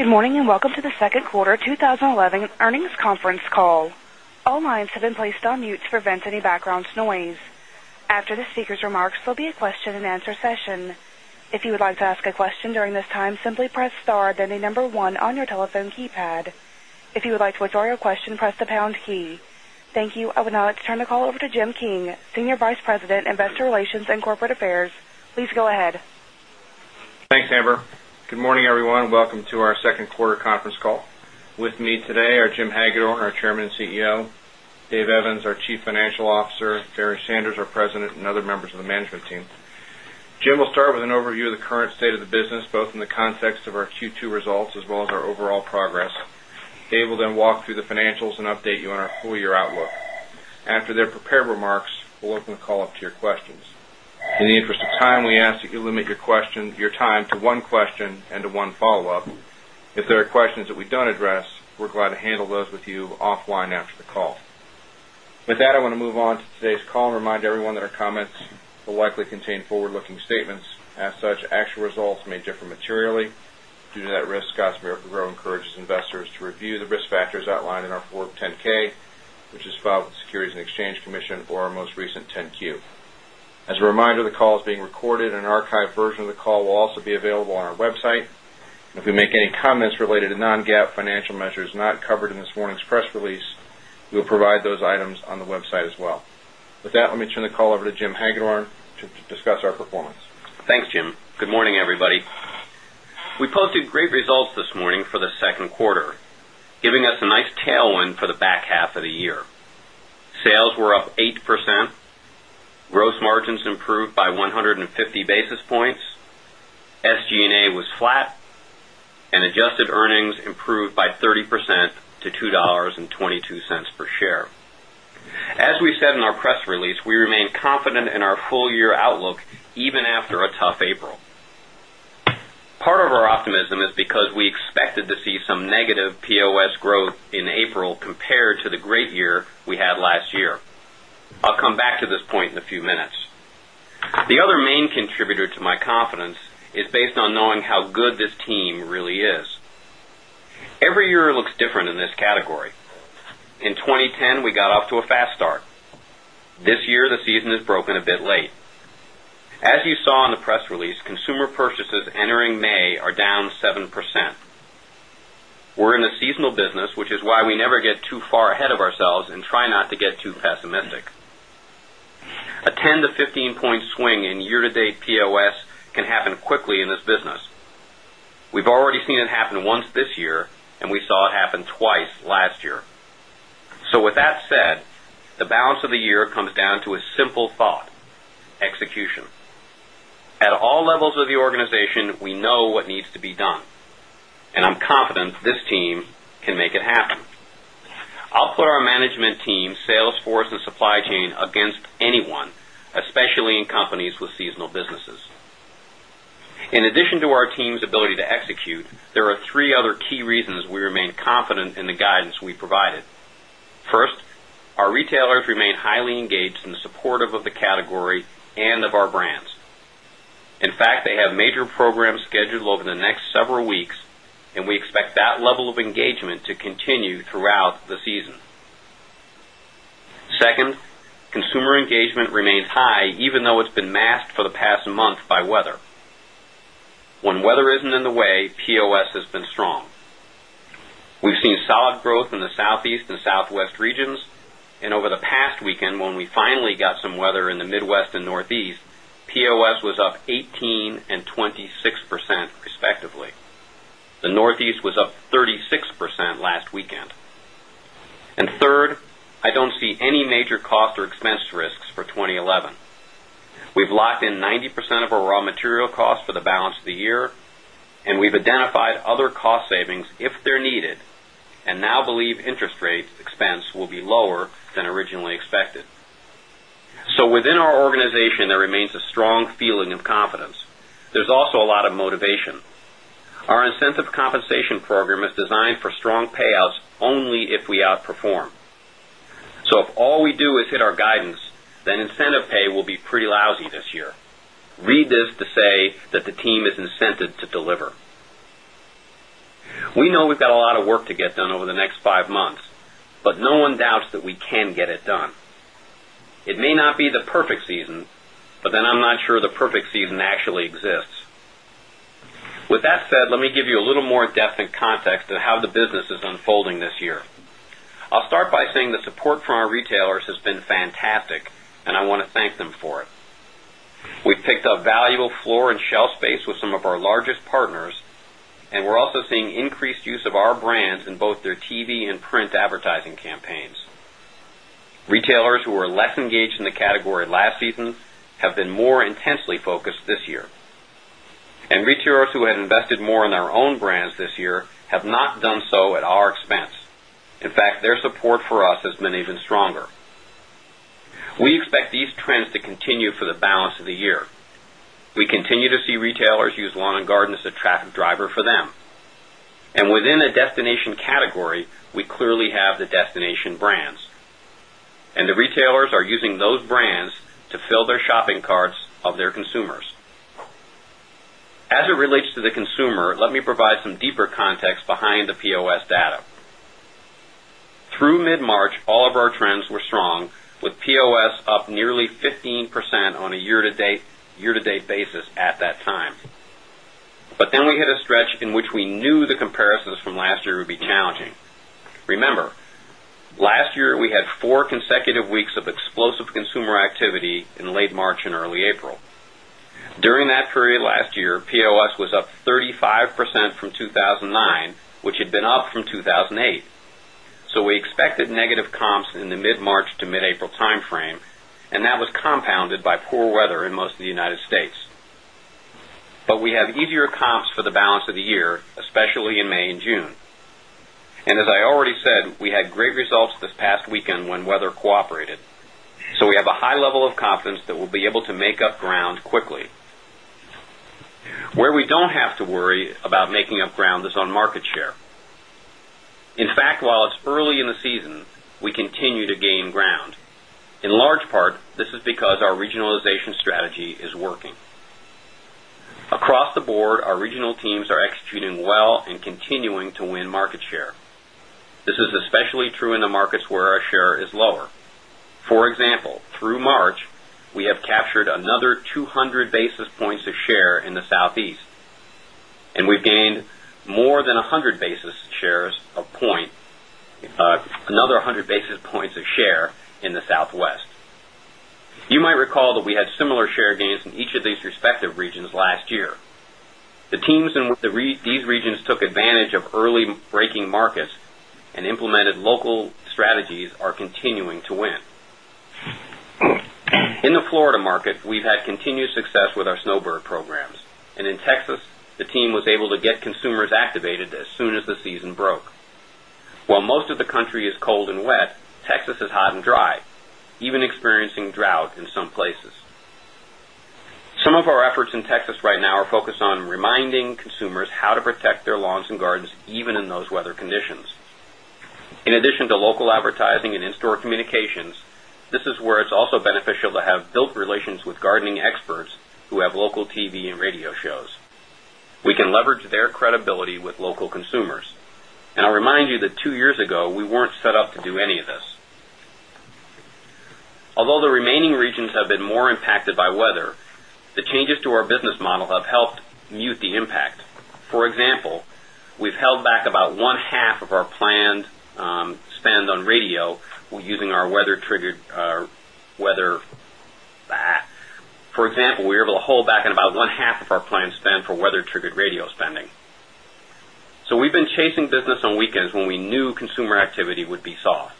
Good morning and welcome to The Second Quarter 2011 Earnings Conference Call. All lines have been placed on mute to prevent any background noise. After the speaker's remarks, there will be a question and answer session. If you would like to ask a question during this time, simply press star then the number one on your telephone keypad. If you would like to withdraw your question, press the pound key. Thank you. I would now like to turn the call over to Jim King, Senior Vice President, Investor Relations and Corporate Affairs. Please go ahead. Thanks, Amber. Good morning, everyone. Welcome to our second quarter conference call. With me today are Jim Hagedorn, our Chairman and CEO, Dave Evans, our Chief Financial Officer, Barry Sanders, our President, and other members of the management team. Jim will start with an overview of the current state of the business, both in the context of our Q2 results as well as our overall progress. Dave will then walk through the financials and update you on our full-year outlook. After their prepared remarks, we'll open the call up to your questions. In the interest of time, we ask that you limit your time to one question and to one follow-up. If there are questions that we don't address, we're glad to handle those with you offline after the call. With that, I want to move on to today's call and remind everyone that our comments will likely contain forward-looking statements. As such, actual results may differ materially. Due to that risk, Scotts Miracle-Gro encourages investors to review the risk factors outlined in our Form 10-K, which is filed with the Securities and Exchange Commission or our most recent 10-Q. As a reminder, the call is being recorded, and an archived version of the call will also be available on our website. If we make any comments related to non-GAAP financial measures not covered in this morning's press release, we will provide those items on the website as well. With that, let me turn the call over to Jim Hagedorn to discuss our performance. Thanks, Jim. Good morning, everybody. We posted great results this morning for the second quarter, giving us a nice tailwind for the back half of the year. Sales were up 8%, gross margins improved by 150 basis points, SG&A was flat, and adjusted earnings improved by 30% to $2.22 per share. As we said in our press release, we remain confident in our full-year outlook even after a tough April. Part of our optimism is because we expected to see some negative POS growth in April compared to the great year we had last year. I'll come back to this point in a few minutes. The other main contributor to my confidence is based on knowing how good this team really is. Every year it looks different in this category. In 2010, we got off to a fast start. This year, the season is broken a bit late. As you saw in the press release, consumer purchases entering May are down 7%. We're in the seasonal business, which is why we never get too far ahead of ourselves and try not to get too pessimistic. A 10% - 15% swing in year-to-date POS can happen quickly in this business. We've already seen it happen once this year, and we saw it happen twice last year. With that said, the balance of the year comes down to a simple thought: execution. At all levels of the organization, we know what needs to be done, and I'm confident this team can make it happen. I'll put our management team, sales force, and supply chain against anyone, especially in companies with seasonal businesses. In addition to our team's ability to execute, there are three other key reasons we remain confident in the guidance we provided. First, our retailers remain highly engaged and supportive of the category and of our brands. In fact, they have major programs scheduled over the next several weeks, and we expect that level of engagement to continue throughout the season. Second, consumer engagement remains high even though it's been masked for the past month by weather. When weather isn't in the way, POS has been strong. We've seen solid growth in the Southeast and Southwest regions, and over the past weekend, when we finally got some weather in the Midwest and Northeast, POS was up 18% and 26% respectively. The Northeast was up 36% last weekend. Third, I don't see any major cost or expense risks for 2011. We've locked in 90% of our raw material costs for the balance of the year, and we've identified other cost savings if they're needed and now believe interest rate expense will be lower than originally expected. Within our organization, there remains a strong feeling of confidence. There's also a lot of motivation. Our incentive compensation program is designed for strong payouts only if we outperform. If all we do is hit our guidance, then incentive pay will be pretty lousy this year. Read this to say that the team is incented to deliver. We know we've got a lot of work to get done over the next five months, but no one doubts that we can get it done. It may not be the perfect season, but I'm not sure the perfect season actually exists. With that said, let me give you a little more definite context to how the business is unfolding this year. I'll start by saying the support from our retailers has been fantastic, and I want to thank them for it. We picked up valuable floor and shelf space with some of our largest partners, and we're also seeing increased use of our brands in both their TV and print advertising campaigns. Retailers who were less engaged in the category last season have been more intensely focused this year, and retailers who had invested more in their own brands this year have not done so at our expense. In fact, their support for us has been even stronger. We expect these trends to continue for the balance of the year. We continue to see retailers use lawn and garden as a driver for them. Within the destination category, we clearly have the destination brands, and the retailers are using those brands to fill the shopping carts of their consumers. As it relates to the consumer, let me provide some deeper context behind the POS data. Through mid-March, all of our trends were strong, with POS up nearly 15% on a year-to-date basis at that time. We hit a stretch in which we knew the comparisons from last year would be challenging. Remember, last year we had four consecutive weeks of explosive consumer activity in late March and early April. During that period last year, POS was up 35% from 2009, which had been up from 2008. We expected negative comps in the mid-March to mid-April timeframe, and that was compounded by poor weather in most of the U.S. We have easier comps for the balance of the year, especially in May and June. As I already said, we had great results this past weekend when weather cooperated. We have a high level of confidence that we'll be able to make up ground quickly. Where we don't have to worry about making up ground is on market share. In fact, while it's early in the season, we continue to gain ground. In large part, this is because our regionalization strategy is working. Across the board, our regional teams are executing well and continuing to win market share. This is especially true in the markets where our share is lower. For example, through March, we have captured another 200 basis points of share in the Southeast, and we've gained more than 100 basis points of share in the Southwest. You might recall that we had similar share gains in each of these respective regions last year. The teams in these regions took advantage of early breaking markets and implemented local strategies, continuing to win. In the Florida market, we've had continued success with our snowbird programs. In Texas, the team was able to get consumers activated as soon as the season broke. While most of the country is cold and wet, Texas is hot and dry, even experiencing drought in some places. Some of our efforts in Texas right now are focused on reminding consumers how to protect their lawns and gardens, even in those weather conditions. In addition to local advertising and in-store communications, this is where it's also beneficial to have built relations with gardening experts who have local TV and radio shows. We can leverage their credibility with local consumers. I'll remind you that two years ago, we weren't set up to do any of this. Although the remaining regions have been more impacted by weather, the changes to our business model have helped mute the impact. For example, we've held back about one half of our planned spend on radio using our weather-triggered approach. We were able to hold back about one half of our planned spend for weather-triggered radio spending. We've been chasing business on weekends when we knew consumer activity would be soft.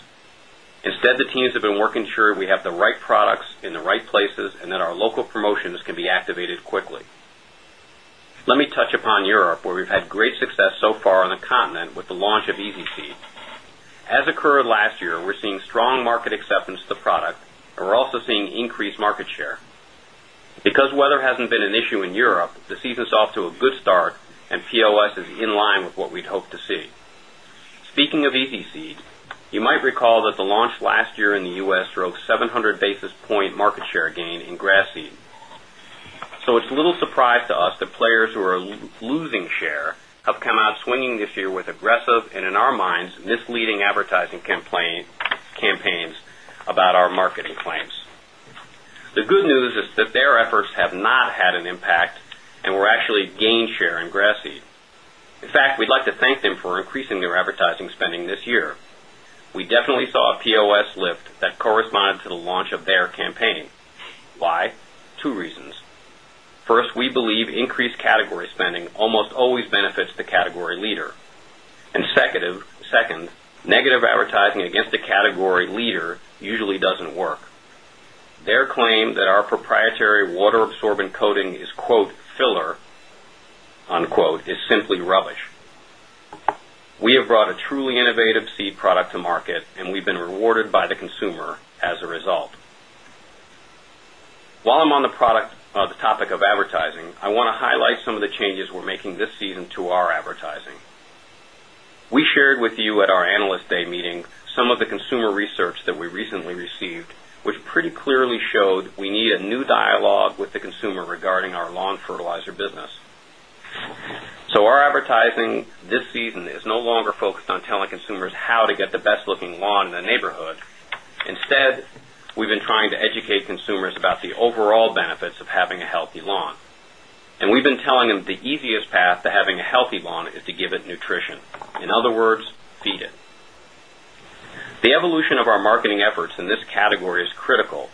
Instead, the teams have been working to ensure we have the right products in the right places and that our local promotions can be activated quickly. Let me touch upon Europe, where we've had great success so far on the continent with the launch of EZ Seed. As occurred last year, we're seeing strong market acceptance of the product, and we're also seeing increased market share. Because weather hasn't been an issue in Europe, the season's off to a good start, and POS is in line with what we'd hoped to see. Speaking of EZ Seed, you might recall that the launch last year in the U.S. drove a 700 basis point market share gain in grass seed. It's a little surprise to us that players who are losing share have come out swinging this year with aggressive and, in our minds, misleading advertising campaigns about our marketing claims. The good news is that their efforts have not had an impact and we will actually gain share in grass seed. In fact, we'd like to thank them for increasing their advertising spending this year. We definitely saw a POS lift that corresponded to the launch of their campaign. Why? Two reasons. First, we believe increased category spending almost always benefits the category leader. Second, negative advertising against the category leader usually doesn't work. Their claim that our proprietary water-absorbent coating is, quote, "filler," unquote, is simply rubbish. We have brought a truly innovative seed product to market, and we've been rewarded by the consumer as a result. While I'm on the product, the topic of advertising, I want to highlight some of the changes we're making this season to our advertising. We shared with you at our Analyst Day meeting some of the consumer research that we recently received, which pretty clearly showed we need a new dialogue with the consumer regarding our lawn fertilizer business. Our advertising this season is no longer focused on telling consumers how to get the best-looking lawn in the neighborhood. Instead, we've been trying to educate consumers about the overall benefits of having a healthy lawn. We've been telling them the easiest path to having a healthy lawn is to give it nutrition. In other words, feed it. The evolution of our marketing efforts in this category is critical,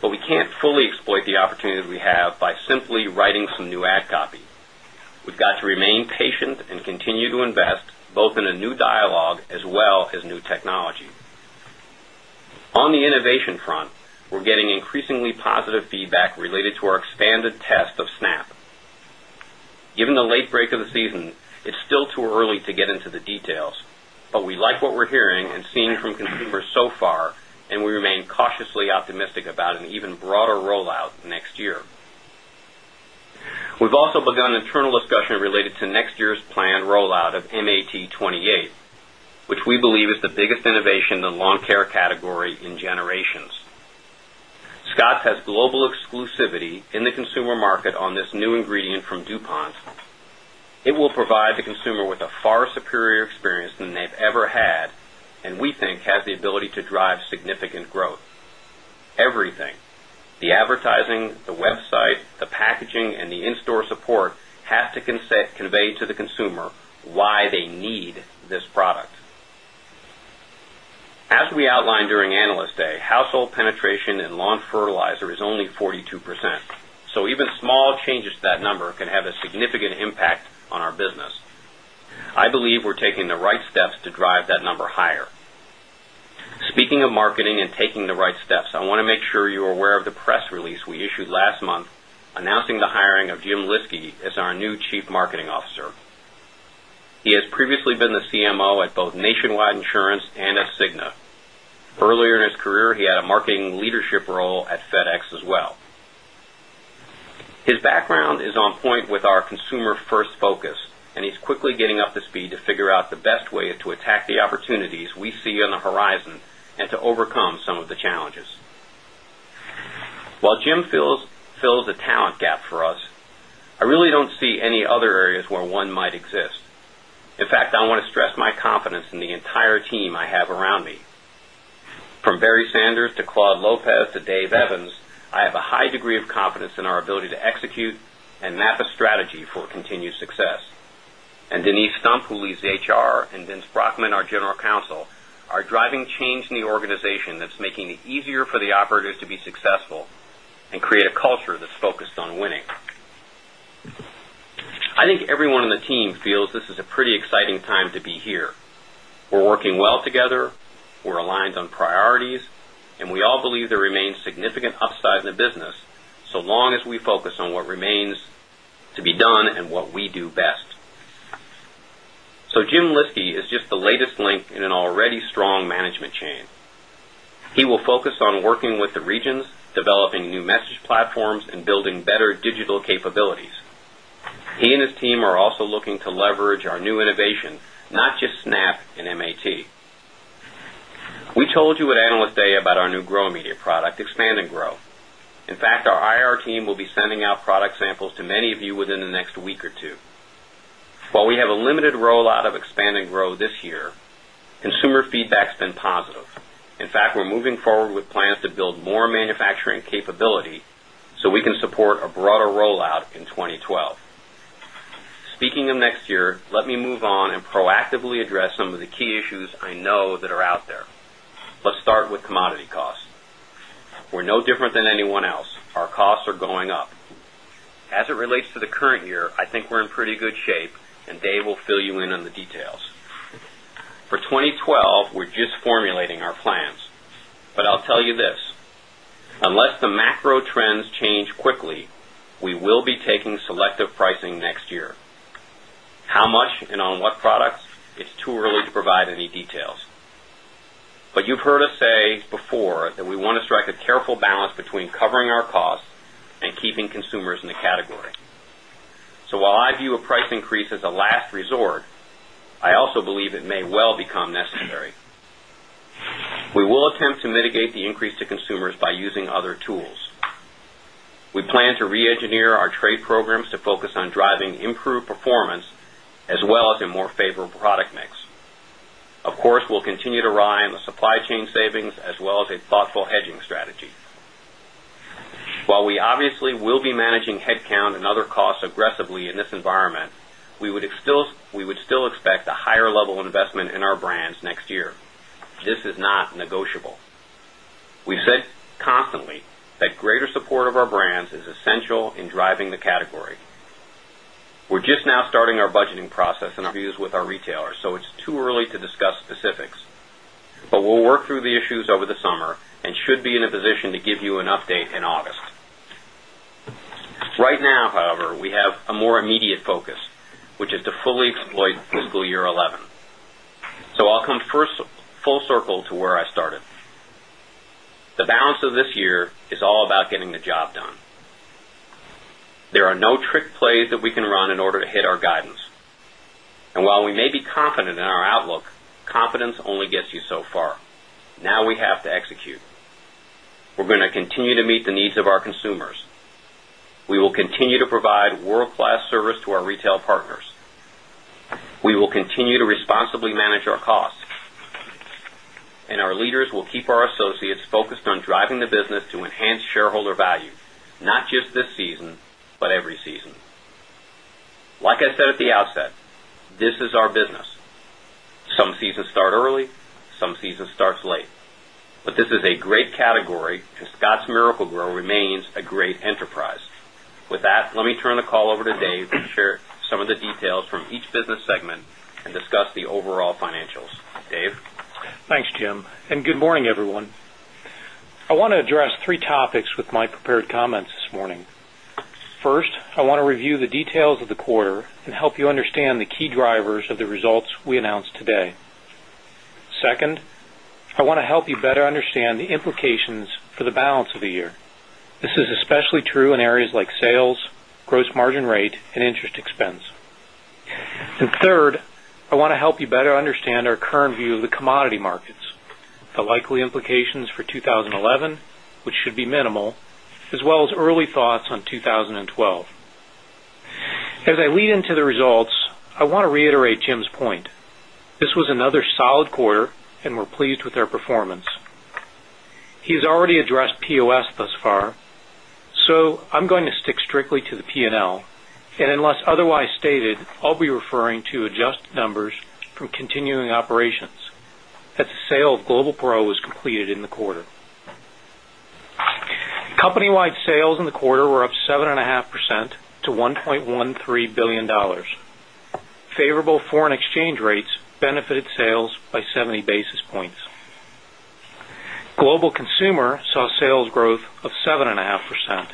but we can't fully exploit the opportunity we have by simply writing some new ad copy. We've got to remain patient and continue to invest both in a new dialogue as well as new technology. On the innovation front, we're getting increasingly positive feedback related to our expanded test of EZ Seed given the late break of the season. It's still too early to get into the details, but we like what we're hearing and seeing from consumers so far, and we remain cautiously optimistic about an even broader rollout next year. We've also begun internal discussion related to next year's planned rollout of MAT28, which we believe is the biggest innovation in the lawn care category in generations. Scotts has global exclusivity in the consumer market on this new ingredient from DuPont. It will provide the consumer with a far superior experience than they've ever had and we think has the ability to drive significant growth. Everything: the advertising, the website, the packaging, and the in-store support have to convey to the consumer why they need this product. As we outlined during analyst day, household penetration in lawn fertilizer is only 42%. Even small changes to that number can have a significant impact on our business. I believe we're taking the right steps to drive that number higher. Speaking of marketing and taking the right steps, I want to make sure you're aware of the press release we issued last month announcing the hiring of Jim Lyski as our new Chief Marketing Officer. He has previously been the CMO at both Nationwide Insurance and at Cigna. Earlier in his career, he had a marketing leadership role at FedEx as well. His background is on point with our consumer-first focus, and he's quickly getting up to speed to figure out the best ways to attack the opportunities we see on the horizon and to overcome some of the challenges. While Jim fills a talent gap for us, I really don't see any other areas where one might exist. In fact, I want to stress my confidence in the entire team I have around me. From Barry Sanders to Claude Lopez to Dave Evans, I have a high degree of confidence in our ability to execute and map a strategy for continued success. Denise Stump, who leads HR, and Vince Brockman, our General Counsel, are driving change in the organization that's making it easier for the operators to be successful and create a culture that's focused on winning. I think everyone on the team feels this is a pretty exciting time to be here. We're working well together, we're aligned on priorities, and we all believe there remains significant upside in the business as long as we focus on what remains to be done and what we do best. Jim Lyski is just the latest link in an already strong management chain. He will focus on working with the regions, developing new message platforms, and building better digital capabilities. He and his team are also looking to leverage our new innovation, not just SNAP and MAT28. We told you at Analyst Day about our new Grow Media product, Expand & Grow. In fact, our IR team will be sending out product samples to many of you within the next week or two. While we have a limited rollout of Expand & Grow this year, consumer feedback's been positive. In fact, we're moving forward with plans to build more manufacturing capability so we can support a broader rollout in 2012. Speaking of next year, let me move on and proactively address some of the key issues I know that are out there. Let's start with commodity costs. We're no different than anyone else. Our costs are going up. As it relates to the current year, I think we're in pretty good shape, and Dave will fill you in on the details. For 2012, we're just formulating our plans. I'll tell you this: unless the macro trends change quickly, we will be taking selective pricing next year. How much and on what products, it's too early to provide any details. You've heard us say before that we want to strike a careful balance between covering our costs and keeping consumers in the category. While I view a price increase as a last resort, I also believe it may well become necessary. We will attempt to mitigate the increase to consumers by using other tools. We plan to re-engineer our trade programs to focus on driving improved performance as well as a more favorable product mix. Of course, we'll continue to rely on the supply chain savings as well as a thoughtful hedging strategy. While we obviously will be managing headcount and other costs aggressively in this environment, we would still expect a higher level of investment in our brands next year. This is not negotiable. We've said constantly that greater support of our brands is essential in driving the category. We're just now starting our budgeting process and our views with our retailers, so it's too early to discuss specifics. We'll work through the issues over the summer and should be in a position to give you an update in August. Right now, however, we have a more immediate focus, which is to fully exploit fiscal year 2011. I'll come first full circle to where I started. The balance of this year is all about getting the job done. There are no trick plays that we can run in order to hit our guidance. While we may be confident in our outlook, confidence only gets you so far. Now we have to execute. We are going to continue to meet the needs of our consumers. We will continue to provide world-class service to our retail partners. We will continue to responsibly manage our costs. Our leaders will keep our associates focused on driving the business to enhance shareholder value, not just this season, but every season. Like I said at the outset, this is our business. Some seasons start early, some seasons start late. This is a great category, and Scotts Miracle-Gro remains a great enterprise. With that, let me turn the call over to Dave to share some of the details from each business segment and discuss the overall financials. Dave? Thanks, Jim. Good morning, everyone. I want to address three topics with my prepared comments this morning. First, I want to review the details of the quarter and help you understand the key drivers of the results we announced today. Second, I want to help you better understand the implications for the balance of the year. This is especially true in areas like sales, gross margin rate, and interest expense. Third, I want to help you better understand our current view of the commodity markets, the likely implications for 2011, which should be minimal, as well as early thoughts on 2012. As I lead into the results, I want to reiterate Jim's point. This was another solid quarter, and we're pleased with our performance. He's already addressed POS thus far, so I'm going to stick strictly to the P&L. Unless otherwise stated, I'll be referring to adjusted numbers from continuing operations as the sale of Global Pro was completed in the quarter. Company-wide sales in the quarter were up 7.5% to $1.13 billion. Favorable foreign exchange rates benefited sales by 70 basis points. Global consumer saw sales growth of 7.5%.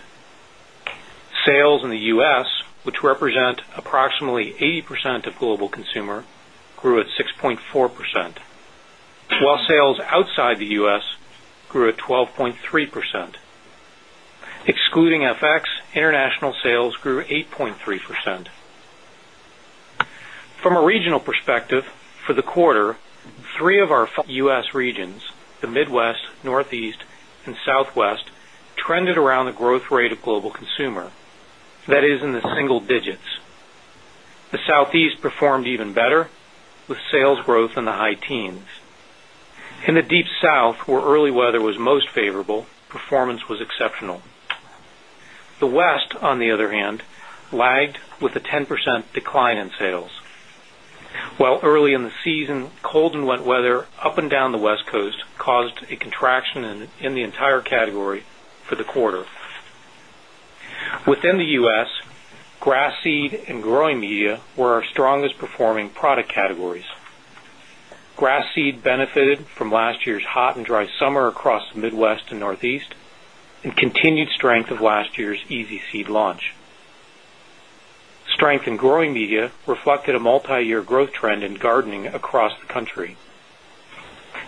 Sales in the U.S., which represent approximately 80% of global consumer, grew at 6.4%, while sales outside the U.S. grew at 12.3%. Excluding FX, international sales grew 8.3%. From a regional perspective, for the quarter, three of our U.S. regions, the Midwest, Northeast, and Southwest, trended around the growth rate of global consumer. That is, in the single digits. The Southeast performed even better with sales growth in the high teens. In the Deep South, where early weather was most favorable, performance was exceptional. The West, on the other hand, lagged with a 10% decline in sales, while early in the season, cold and wet weather up and down the West Coast caused a contraction in the entire category for the quarter. Within the U.S., grass seed and growing media were our strongest performing product categories. Grass seed benefited from last year's hot and dry summer across the Midwest and Northeast and continued strength of last year's EZ Seed launch. Strength in growing media reflected a multi-year growth trend in gardening across the country.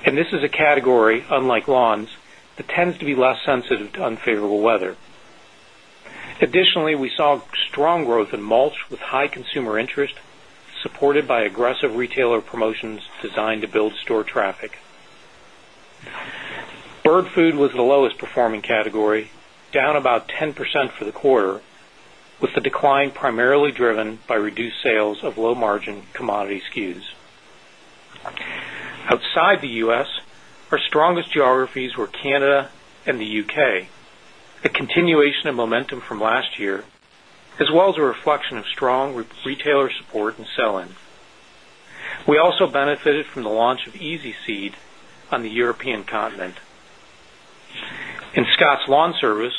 This is a category, unlike lawns, that tends to be less sensitive to unfavorable weather. Additionally, we saw strong growth in mulch with high consumer interest supported by aggressive retailer promotions designed to build store traffic. Bird food was the lowest performing category, down about 10% for the quarter, with the decline primarily driven by reduced sales of low-margin commodity SKUs. Outside the U.S., our strongest geographies were Canada and the U.K., a continuation of momentum from last year, as well as a reflection of strong retailer support and sell-ins. We also benefited from the launch of EZ Seed on the European continent. In Scotts Lawn Service,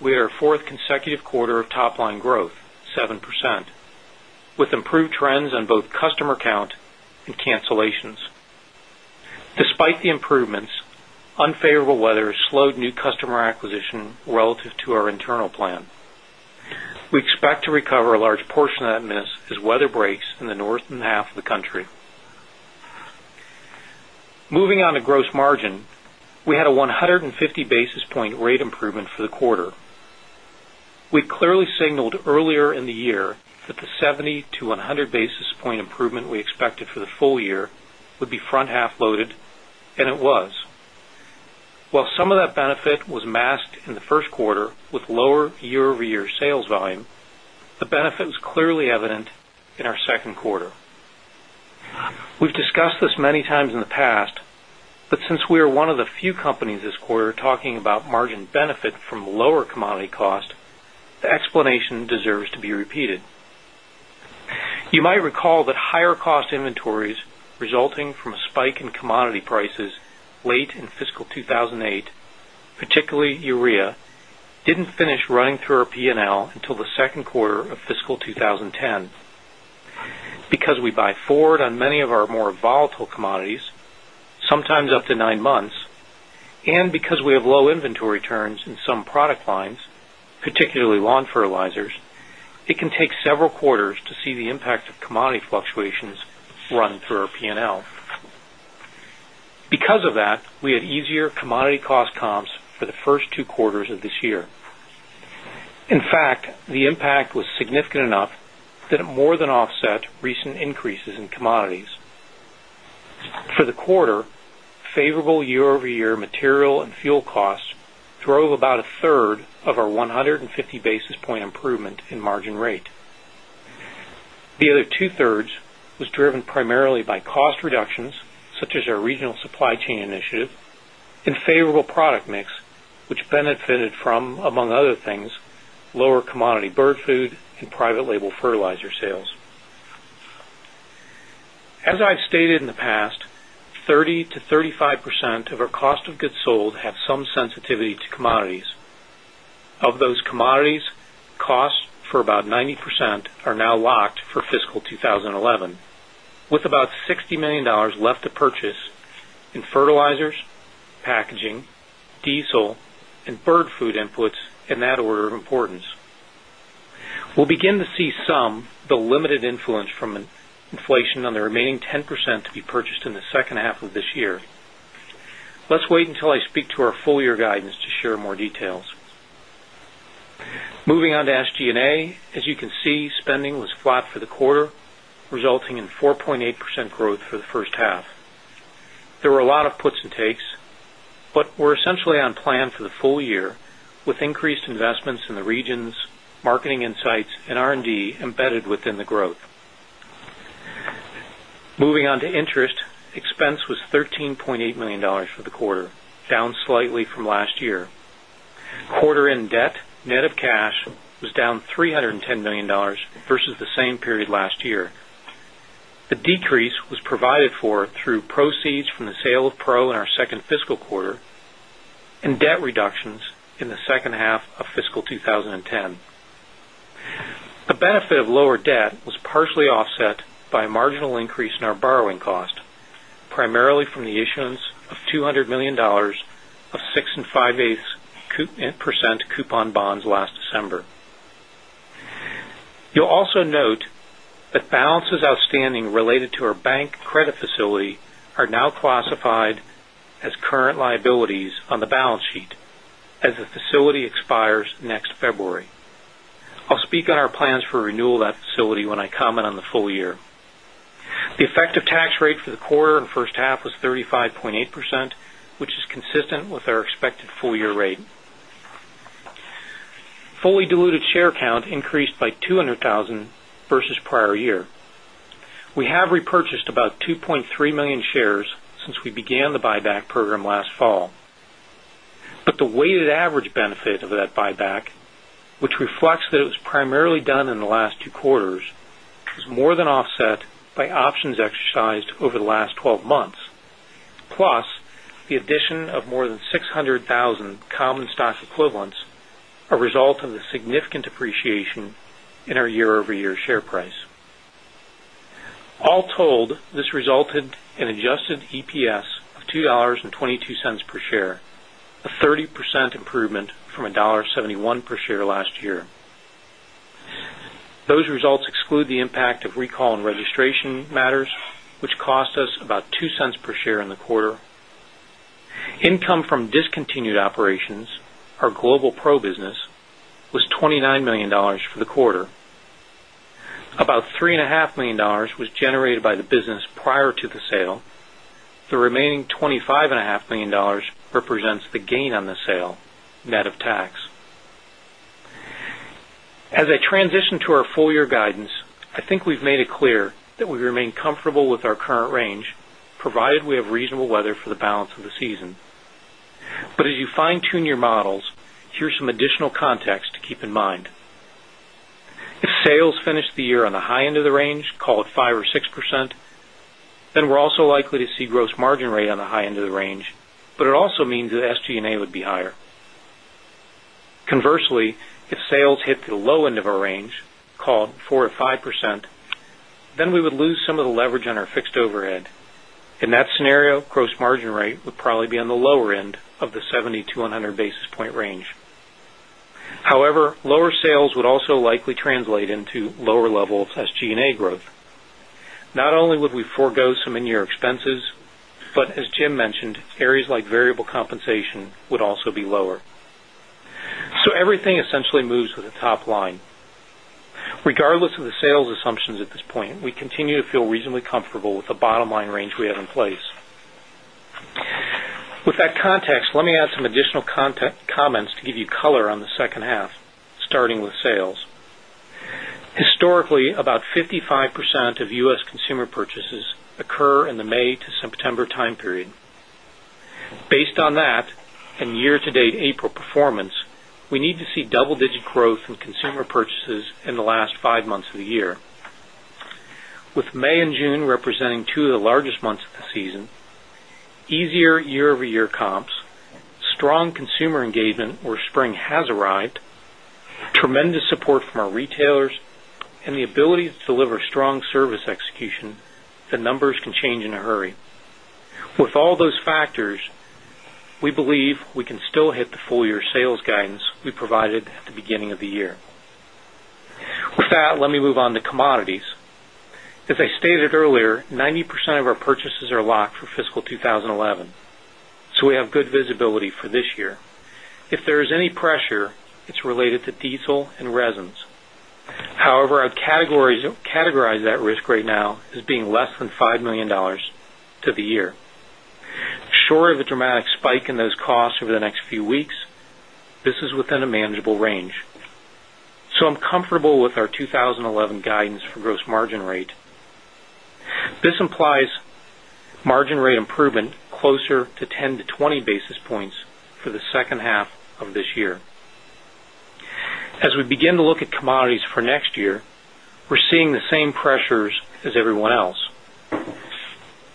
we had our fourth consecutive quarter of top-line growth, 7%, with improved trends on both customer count and cancellations. Despite the improvements, unfavorable weather slowed new customer acquisition relative to our internal plan. We expect to recover a large portion of that miss as weather breaks in the northern half of the country. Moving on to gross margin, we had a 150 basis point rate improvement for the quarter. We clearly signaled earlier in the year that the 70 - 100 basis point improvement we expected for the full year would be front half loaded, and it was. While some of that benefit was masked in the first quarter with lower year-over-year sales volume, the benefit was clearly evident in our second quarter. We've discussed this many times in the past, but since we are one of the few companies this quarter talking about margin benefit from lower commodity costs, the explanation deserves to be repeated. You might recall that higher cost inventories resulting from a spike in commodity prices late in fiscal 2008, particularly urea, didn't finish running through our P&L until the second quarter of fiscal 2010. It's because we buy forward on many of our more volatile commodities, sometimes up to nine months, and because we have low inventory turns in some product lines, particularly lawn fertilizers, it can take several quarters to see the impacts of commodity fluctuations run through our P&L. Because of that, we had easier commodity cost comps for the first two quarters of this year. In fact, the impact was significant enough that it more than offset recent increases in commodities. For the quarter, favorable year-over-year material and fuel costs drove about a third of our 150 basis point improvement in margin rate. The other two-thirds was driven primarily by cost reductions, such as our regional supply chain initiative and favorable product mix, which benefited from, among other things, lower commodity bird food and private label fertilizer sales. As I've stated in the past, 30% - 35% of our cost of goods sold have some sensitivity to commodities. Of those commodities, costs for about 90% are now locked for fiscal 2011, with about $60 million left to purchase in fertilizers, packaging, diesel, and bird food inputs in that order of importance. We'll begin to see some but limited influence from inflation on the remaining 10% to be purchased in the second half of this year. Let's wait until I speak to our full-year guidance to share more details. Moving on to SG&A, as you can see, spending was flat for the quarter, resulting in 4.8% growth for the first half. There were a lot of puts and takes, but we're essentially on plan for the full year with increased investments in the regions, marketing insights, and R&D embedded within the growth. Moving on to interest, expense was $13.8 million for the quarter, down slightly from last year. Quarter-end debt, net of cash, was down $310 million versus the same period last year. A decrease was provided for through proceeds from the sale of Pro in our second fiscal quarter and debt reductions in the second half of fiscal 2010. The benefit of lower debt was partially offset by a marginal increase in our borrowing cost, primarily from the issuance of $200 million of six and five-eighths % coupon bonds last December. You'll also note that balances outstanding related to our bank credit facility are now classified as current liabilities on the balance sheet as the facility expires next February. I'll speak on our plans for renewal of that facility when I comment on the full year. The effective tax rate for the quarter and first half was 35.8%, which is consistent with our expected full-year rate. Fully diluted share count increased by 200,000 versus prior year. We have repurchased about 2.3 million shares since we began the buyback program last fall. The weighted average benefit of that buyback, which reflects that it was primarily done in the last two quarters, is more than offset by options exercised over the last 12 months, plus the addition of more than 600,000 common stock equivalents, a result of the significant appreciation in our year-over-year share price. All told, this resulted in an adjusted EPS of $2.22 per share, a 30% improvement from $1.71 per share last year. Those results exclude the impact of recall and registration matters, which cost us about $0.02 per share in the quarter. Income from discontinued operations, our Global Pro business, was $29 million for the quarter. About $3.5 million was generated by the business prior to the sale. The remaining $25.5 million represents the gain on the sale net of tax. As I transition to our full-year guidance, I think we've made it clear that we remain comfortable with our current range, provided we have reasonable weather for the balance of the season. As you fine-tune your models, here's some additional context to keep in mind. If sales finish the year on the high end of the range, call it 5% or 6%, then we're also likely to see gross margin rate on the high end of the range, but it also means that SG&A would be higher. Conversely, if sales hit the low end of our range, call it 4% or 5%, then we would lose some of the leverage on our fixed overhead. In that scenario, gross margin rate would probably be on the lower end of the 70 - 100 basis point range. However, lower sales would also likely translate into lower levels of SG&A growth. Not only would we forego some in-year expenses, but as Jim mentioned, areas like variable compensation would also be lower. Everything essentially moves with the top line. Regardless of the sales assumptions at this point, we continue to feel reasonably comfortable with the bottom line range we have in place. With that context, let me add some additional comments to give you color on the second half, starting with sales. Historically, about 55% of U.S. consumer purchases occur in the May to September time period. Based on that and year-to-date April performance, we need to see double-digit growth in consumer purchases in the last five months of the year, with May and June representing two of the largest months of the season, easier year-over-year comps, strong consumer engagement where spring has arrived, tremendous support from our retailers, and the ability to deliver strong service execution that numbers can change in a hurry. With all those factors, we believe we can still hit the full-year sales guidance we provided at the beginning of the year. With that, let me move on to commodities. As I stated earlier, 90% of our purchases are locked for fiscal 2011, so we have good visibility for this year. If there is any pressure, it's related to diesel and resins. Our categories that categorize that risk right now as being less than $5 million to the year. Short of a dramatic spike in those costs over the next few weeks, this is within a manageable range. I'm comfortable with our 2011 guidance for gross margin rate. This implies margin rate improvement closer to 10 - 20 basis points for the second half of this year. As we begin to look at commodities for next year, we're seeing the same pressures as everyone else.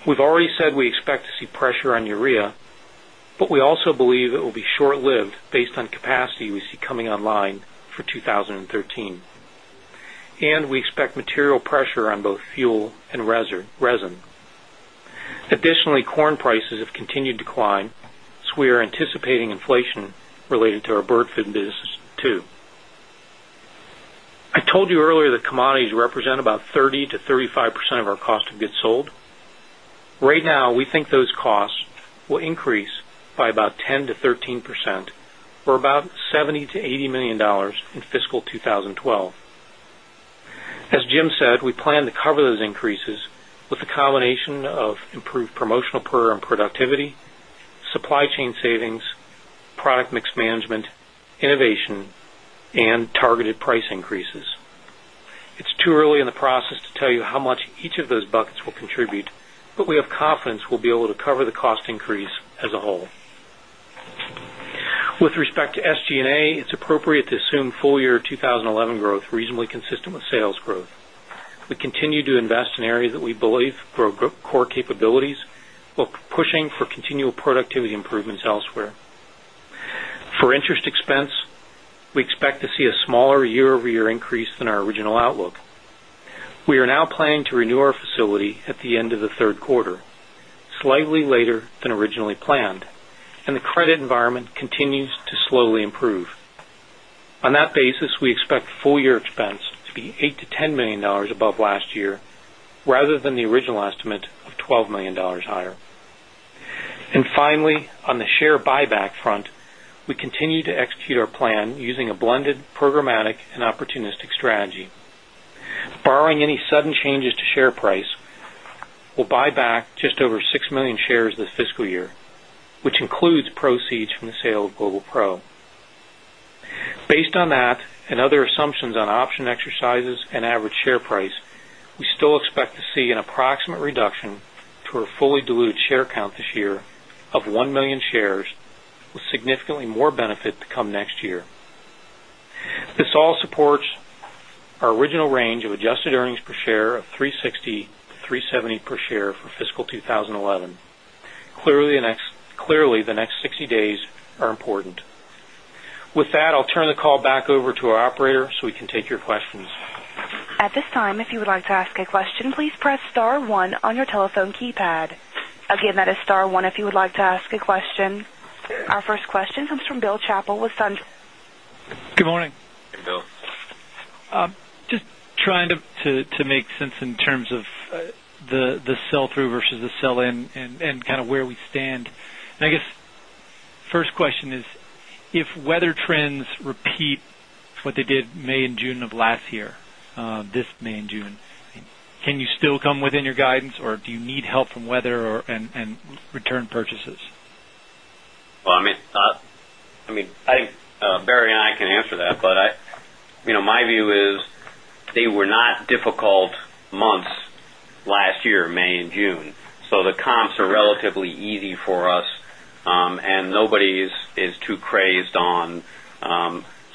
We've already said we expect to see pressure on urea, but we also believe it will be short-lived based on capacity we see coming online for 2013. We expect material pressure on both fuel and resin. Additionally, corn prices have continued to climb, so we are anticipating inflation related to our bird feed business too. I told you earlier that commodities represent about 30% - 35% of our cost of goods sold. Right now, we think those costs will increase by about 10% - 13% or about $70 million - $80 million in fiscal 2012. As Jim said, we plan to cover those increases with a combination of improved promotional program productivity, supply chain savings, product mix management, innovation, and targeted price increases. It's too early in the process to tell you how much each of those buckets will contribute, but we have confidence we'll be able to cover the cost increase as a whole. With respect to SG&A, it's appropriate to assume full-year 2011 growth reasonably consistent with sales growth. We continue to invest in areas that we believe grow core capabilities while pushing for continual productivity improvements elsewhere. For interest expense, we expect to see a smaller year-over-year increase than our original outlook. We are now planning to renew our facility at the end of the third quarter, slightly later than originally planned, and the credit environment continues to slowly improve. On that basis, we expect full-year expense to be $8 million - $10 million above last year rather than the original estimate of $12 million higher. Finally, on the share buyback front, we continue to execute our plan using a blended programmatic and opportunistic strategy. Barring any sudden changes to share price, we'll buy back just over 6 million shares this fiscal year, which includes proceeds from the sale of Global Pro. Based on that and other assumptions on option exercises and average share price, we still expect to see an approximate reduction to our fully diluted share count this year of 1 million shares with significantly more benefit to come next year. This all supports our original range of adjusted earnings per share of $3.60 - $3.70 per share for fiscal 2011. Clearly, the next 60 days are important. With that, I'll turn the call back over to our operator so we can take your questions. At this time, if you would like to ask a question, please press star one on your telephone keypad. Again, that is star one if you would like to ask a question. Our first question comes from Bill Chappell with Sun. Good morning. Hey, Bill. Just trying to make sense in terms of the sell-through versus the sell-in and kind of where we stand. I guess the first question is, if weather trends repeat what they did May and June of last year, this May and June, can you still come within your guidance or do you need help from weather and return purchases? I think Barry and I can answer that, but my view is they were not difficult months last year, May and June. The comps are relatively easy for us, and nobody is too crazed on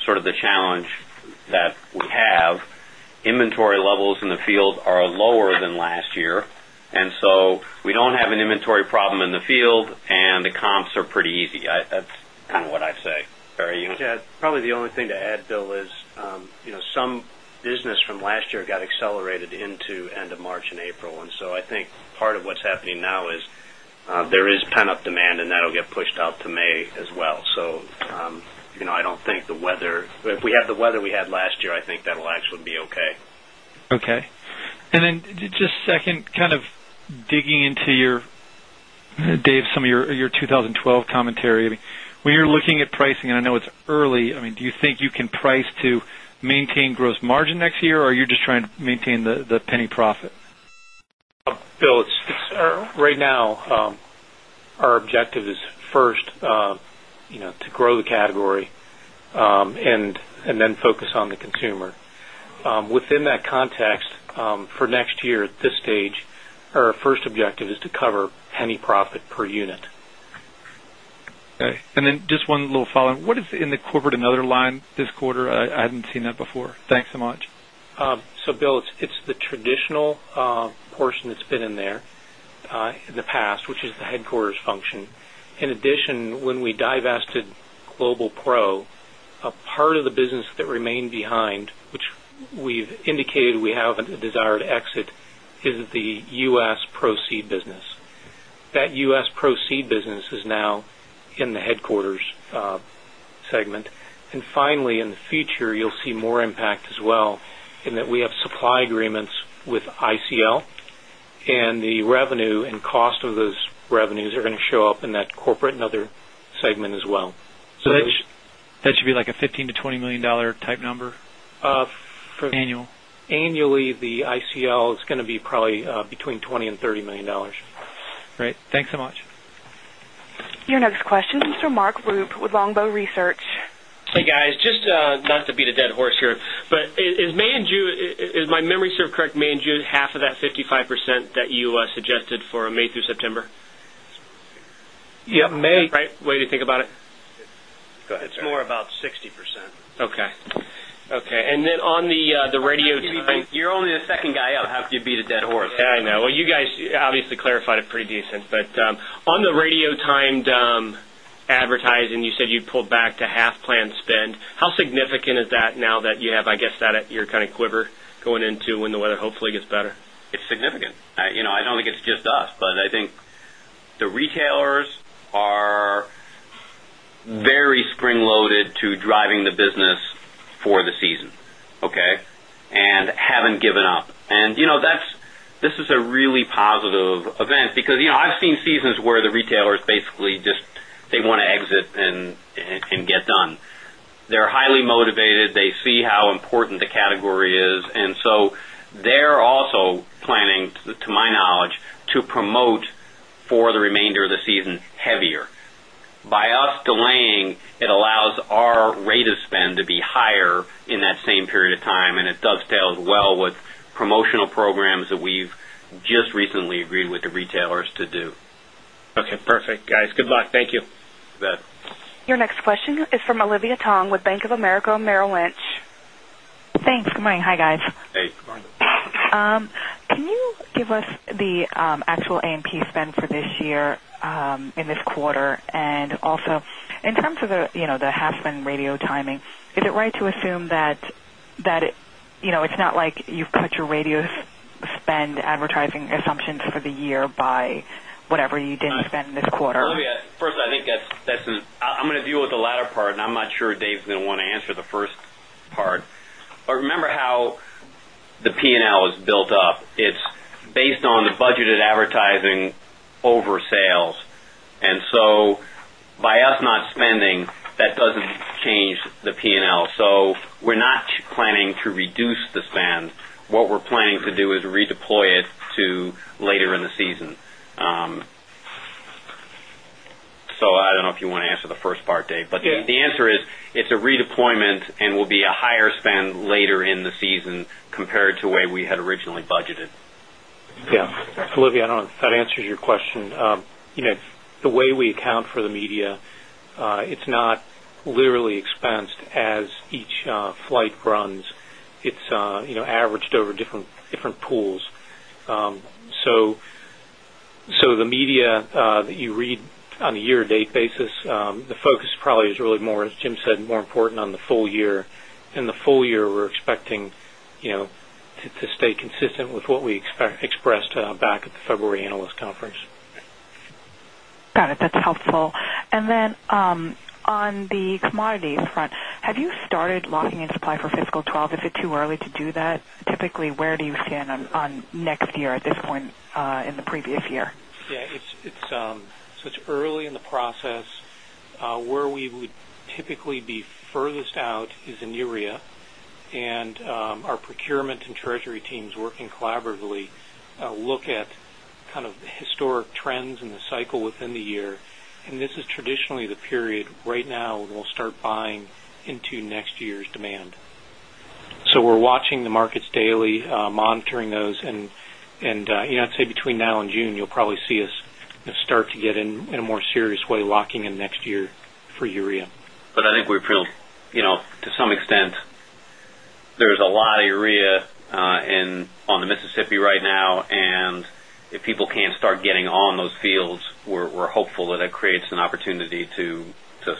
sort of the challenge that we have. Inventory levels in the field are lower than last year, and we do not have an inventory problem in the field, and the comps are pretty easy. That's kind of what I'd say. Barry, you want to? Yeah, probably the only thing to add, Bill, is, you know, some business from last year got accelerated into end of March and April. I think part of what's happening now is there is pent-up demand, and that'll get pushed out to May as well. I don't think the weather, if we have the weather we had last year, I think that'll actually be okay. Okay. Just second, kind of digging into your, Dave, some of your 2012 commentary. I mean, when you're looking at pricing, and I know it's early, do you think you can price to maintain gross margin next year, or are you just trying to maintain the penny profit? Bill, right now, our objective is first, you know, to grow the category and then focus on the consumer. Within that context, for next year at this stage, our first objective is to cover penny profit per unit. Okay. Just one little follow-up. What is in the corporate another line this quarter? I hadn't seen that before. Thanks so much. It is the traditional portion that's been in there in the past, which is the headquarters function. In addition, when we divested Global Pro, a part of the business that remained behind, which we've indicated we have a desire to exit, is the U.S. ProSeed business. That U.S. ProSeed business is now in the headquarters segment. Finally, in the future, you'll see more impact as well in that we have supply agreements with ICL, and the revenue and cost of those revenues are going to show up in that corporate and other segment as well. That should be like a $15 million - $20 million type number? For annually, the ICL is going to be probably between $20 million and $30 million. Great. Thanks so much. Your next question is from Mark Rupe with Longbow Research. Hey, guys, just not to beat a dead horse here, but is May and June, is my memory serve correct, May and June half of that 55% that you suggested for May through September? Yeah, May. Right? Way to think about it? Go ahead. It's more about 60%. Okay. Okay. On the radio time. You're only the second guy up. How can you beat a dead horse? Yeah, I know. You guys obviously clarified it pretty decent. On the radio timed advertising, you said you'd pulled back to half planned spend. How significant is that now that you have, I guess, that you're kind of quiver going into when the weather hopefully gets better? It's significant. You know, I don't think it's just us, but I think the retailers are very spring-loaded to driving the business for the season, okay, and haven't given up. This is a really positive event because, you know, I've seen seasons where the retailers basically just, they want to exit and get done. They're highly motivated. They see how important the category is. They are also planning, to my knowledge, to promote for the remainder of the season heavier. By us delaying, it allows our rate of spend to be higher in that same period of time, and it dovetails well with promotional programs that we've just recently agreed with the retailers to do. Okay. Perfect, guys. Good luck. Thank you. You bet. Your next question is from Olivia Tong with Bank of America Merrill Lynch. Thanks. Good morning. Hi, guys. Hey, good morning. Can you give us the actual AMP spend for this year in this quarter? Also, in terms of the half spend radio timing, is it right to assume that it's not like you've cut your radio spend advertising assumptions for the year by whatever you didn't spend in this quarter? I think that's an I'm going to deal with the latter part, and I'm not sure Dave's going to want to answer the first part. Remember how the P&L is built up. It's based on the budgeted advertising over sales. By us not spending, that doesn't change the P&L. We're not planning to reduce the spend. What we're planning to do is redeploy it to later in the season. I don't know if you want to answer the first part, Dave, but the answer is it's a redeployment and will be a higher spend later in the season compared to where we had originally budgeted. Yeah. Olivia, I don't know if that answers your question. You know, the way we account for the media, it's not literally expensed as each flight runs. It's averaged over different pools. The media that you read on a year-to-date basis, the focus probably is really more, as Jim said, more important on the full year. The full year, we're expecting to stay consistent with what we expressed back at the February analyst conference. Got it. That's helpful. On the commodity front, have you started locking in supply for fiscal 2012? Is it too early to do that? Typically, where do you stand on next year at this point in the previous year? Yeah, it's early in the process. Where we would typically be furthest out is in urea. Our procurement and treasury teams working collaboratively look at the historic trends in the cycle within the year. This is traditionally the period right now when we'll start buying into next year's demand. We're watching the markets daily, monitoring those. I'd say between now and June, you'll probably see us start to get in a more serious way locking in next year for urea. I think we're, you know, to some extent, there's a lot of urea on the Mississippi right now. If people can't start getting on those fields, we're hopeful that that creates an opportunity to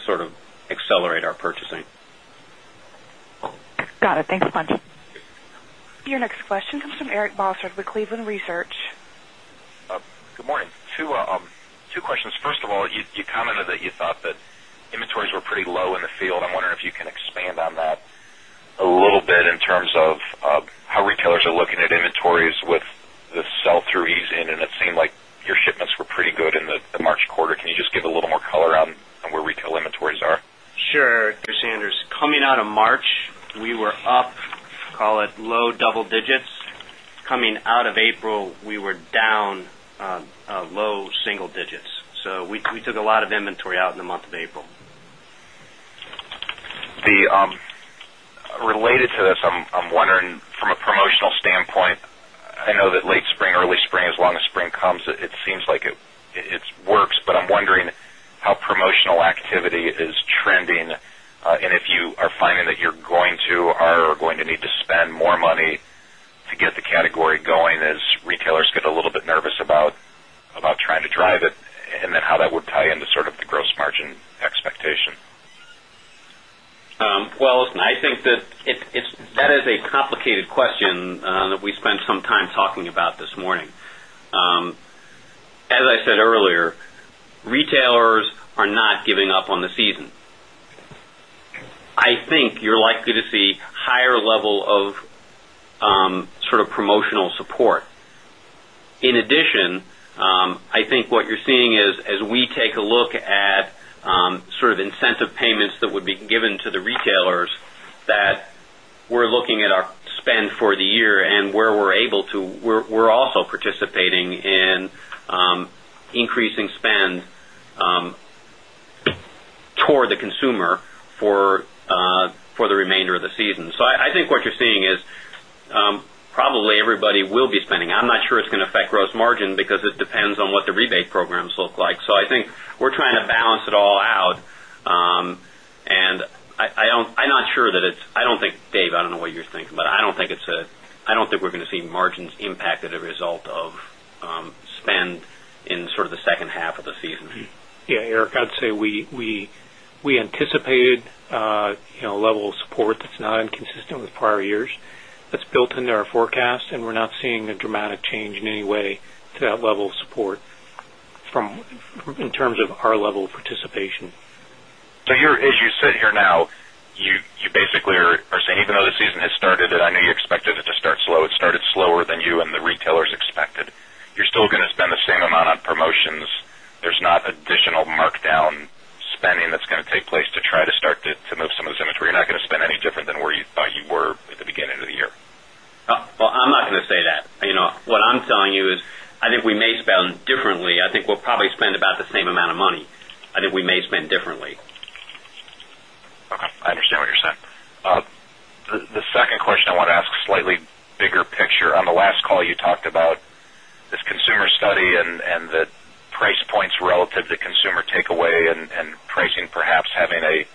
sort of accelerate our purchasing. Got it. Thanks so much. Your next question comes from Eric Bosshard of Cleveland Research. Good morning. Two questions. First of all, you commented that you thought that inventories were pretty low in the field. I'm wondering if you can expand on that a little bit in terms of how retailers are looking at inventories with the sell-through easing. It seemed like your shipments were pretty good in the March quarter. Can you just give a little more color on where retail inventories are? Sure. Sanders, coming out of March, we were up, call it low double digits. Coming out of April, we were down low single digits. We took a lot of inventory out in the month of April. Related to this, I'm wondering, from a promotional standpoint, I know that late spring, early spring, as long as spring comes, it seems like it works. I'm wondering how promotional activity is trending and if you are finding that you're going to or are going to need to spend more money to get the category going as retailers get a little bit nervous about trying to drive it and then how that would tie into sort of the gross margin expectation. I think that is a complicated question that we spent some time talking about this morning. As I said earlier, retailers are not giving up on the season. I think you're likely to see a higher level of promotional support. In addition, I think what you're seeing is as we take a look at incentive payments that would be given to the retailers, we're looking at our spend for the year and where we're able to, we're also participating in increasing spend toward the consumer for the remainder of the season. I think what you're seeing is probably everybody will be spending. I'm not sure it's going to affect gross margin because it depends on what the rebate programs look like. I think we're trying to balance it all out. I'm not sure that it's, I don't think, Dave, I don't know what you're thinking, but I don't think we're going to see margins impacted as a result of spend in the second half of the season. Yeah, Eric, I'd say we anticipated a level of support that's not inconsistent with prior years. That's built into our forecast, and we're not seeing a dramatic change in any way to that level of support in terms of our level of participation. As you sit here now, you basically are saying, even though the season has started and I know you expected it to start slow, it started slower than you and the retailers expected, you're still going to spend the same amount on promotions. There's not additional markdown spending that's going to take place to try to start to move some of this inventory. You're not going to spend any different than where you thought you were at the beginning of the year. I'm not going to say that. You know, what I'm telling you is I think we may spend differently. I think we'll probably spend about the same amount of money. I think we may spend differently. Okay. I understand what you're saying. The second question I want to ask is slightly bigger picture. On the last call, you talked about this consumer study and the price points relative to consumer takeaway and pricing perhaps having a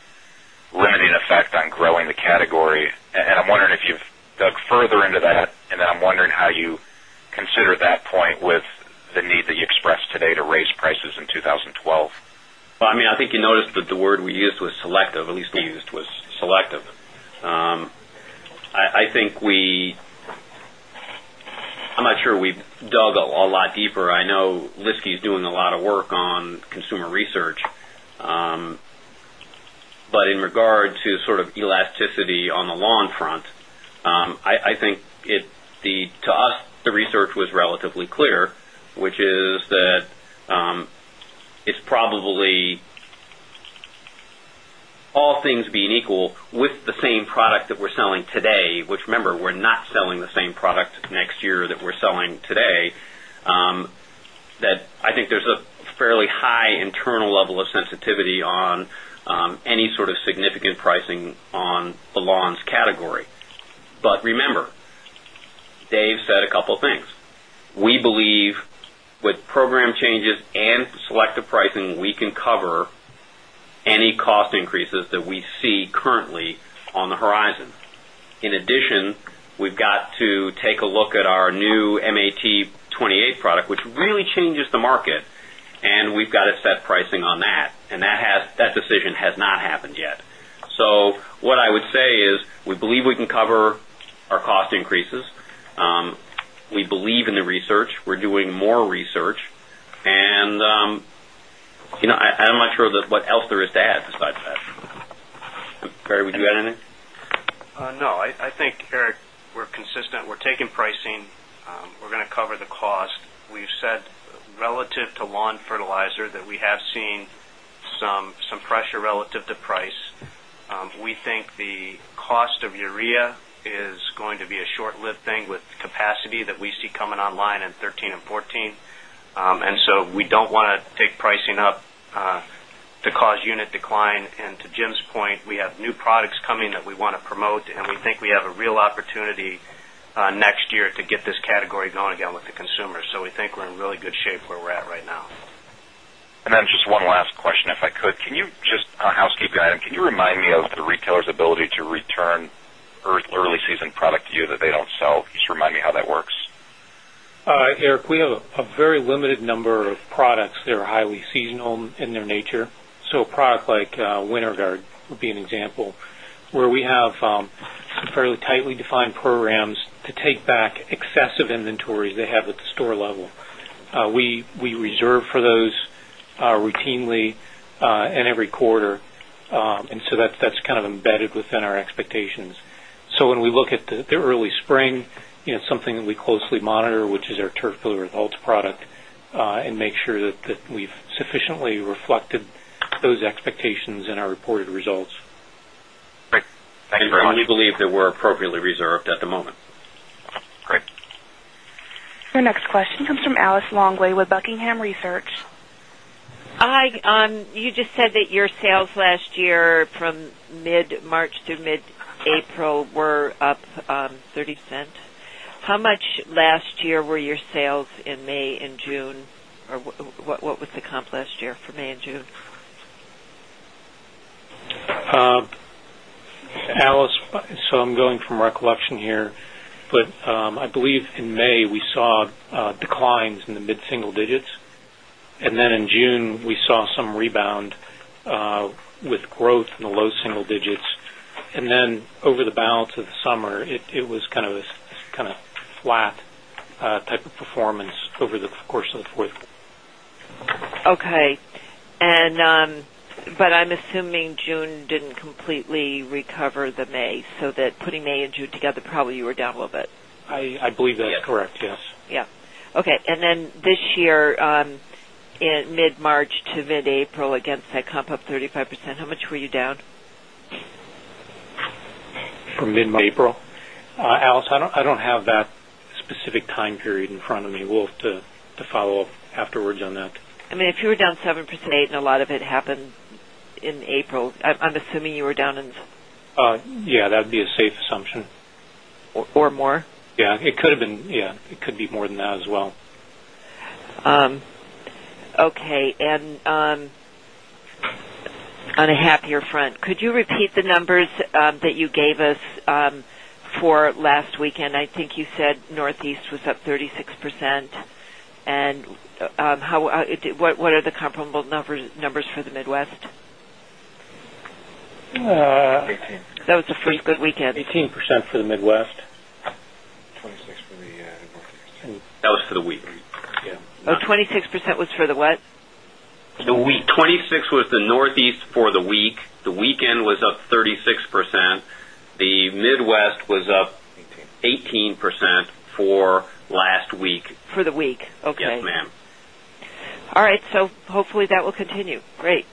limited effect on growing the category. I'm wondering if you've dug further into that, and I'm wondering how you consider that point with the need that you expressed today to raise prices in 2012. I think you noticed that the word we used was selective. At least we used was selective. I'm not sure we've dug a lot deeper. I know Lyski is doing a lot of work on consumer research. In regard to elasticity on the lawn front, the research was relatively clear, which is that it's probably, all things being equal, with the same product that we're selling today, which, remember, we're not selling the same product next year that we're selling today, that there's a fairly high internal level of sensitivity on any sort of significant pricing on the lawns category. Remember, Dave said a couple of things. We believe with program changes and selective pricing, we can cover any cost increases that we see currently on the horizon. In addition, we've got to take a look at our new MAT28 product, which really changes the market, and we've got to set pricing on that. That decision has not happened yet. What I would say is we believe we can cover our cost increases. We believe in the research. We're doing more research. I'm not sure what else there is to add besides that. Barry, would you add anything? No. I think, Eric, we're consistent. We're taking pricing. We're going to cover the cost. We've said relative to lawn fertilizer that we have seen some pressure relative to price. We think the cost of urea is going to be a short-lived thing with capacity that we see coming online in 2013 and 2014. We don't want to take pricing up to cause unit decline. To Jim's point, we have new products coming that we want to promote. We think we have a real opportunity next year to get this category going again with the consumer. We think we're in really good shape where we're at right now. Just one last question, if I could. Can you, on a housekeeping item, remind me of the retailer's ability to return early season product to you that they don't sell? Can you remind me how that works? Eric, we have a very limited number of products that are highly seasonal in their nature. A product like WinterGuard would be an example where we have some fairly tightly defined programs to take back excessive inventories they have at the store level. We reserve for those routinely and every quarter, and that's kind of embedded within our expectations. When we look at the early spring, you know, something that we closely monitor, which is our turf fertilizer product, we make sure that we've sufficiently reflected those expectations in our reported results. Thank you, Barry. I only believe that we're appropriately reserved at the moment. Great. Our next question comes from Alice Longley with Buckingham Research. Hi. You just said that your sales last year from mid-March through mid-April were up 30%. How much last year were your sales in May and June, or what was the comp last year for May and June? Alice, I'm going from recollection here, but I believe in May we saw declines in the mid-single digits. In June, we saw some rebound with growth in the low single digits. Over the balance of the summer, it was kind of a flat type of performance over the course of the fourth quarter. Okay. I'm assuming June didn't completely recover the May, so putting May and June together, probably you were down a little bit. I believe that's correct, yes. Okay. This year, in mid-March to mid-April, against that comp up 35%, how much were you down? For mid-April? Alice, I don't have that specific time period in front of me. We'll have to follow up afterwards on that. I mean, if you were down 7% and a lot of it happened in April, I'm assuming you were down in. Yeah, that would be a safe assumption. Or more? Yeah, it could have been. Yeah, it could be more than that as well. Okay. On a happier front, could you repeat the numbers that you gave us for last weekend? I think you said Northeast was up 36%. What are the comparable numbers for the Midwest? 18%. That was a pretty good weekend. 18% for the Midwest. 26% for the Northeast. That was for the week. Oh, 26% was for the what? The week, 26% was the Northeast for the week. The weekend was up 36%. The Midwest was up 18% for last week. For the week, okay. Yes, ma'am. All right. Hopefully that will continue. Great.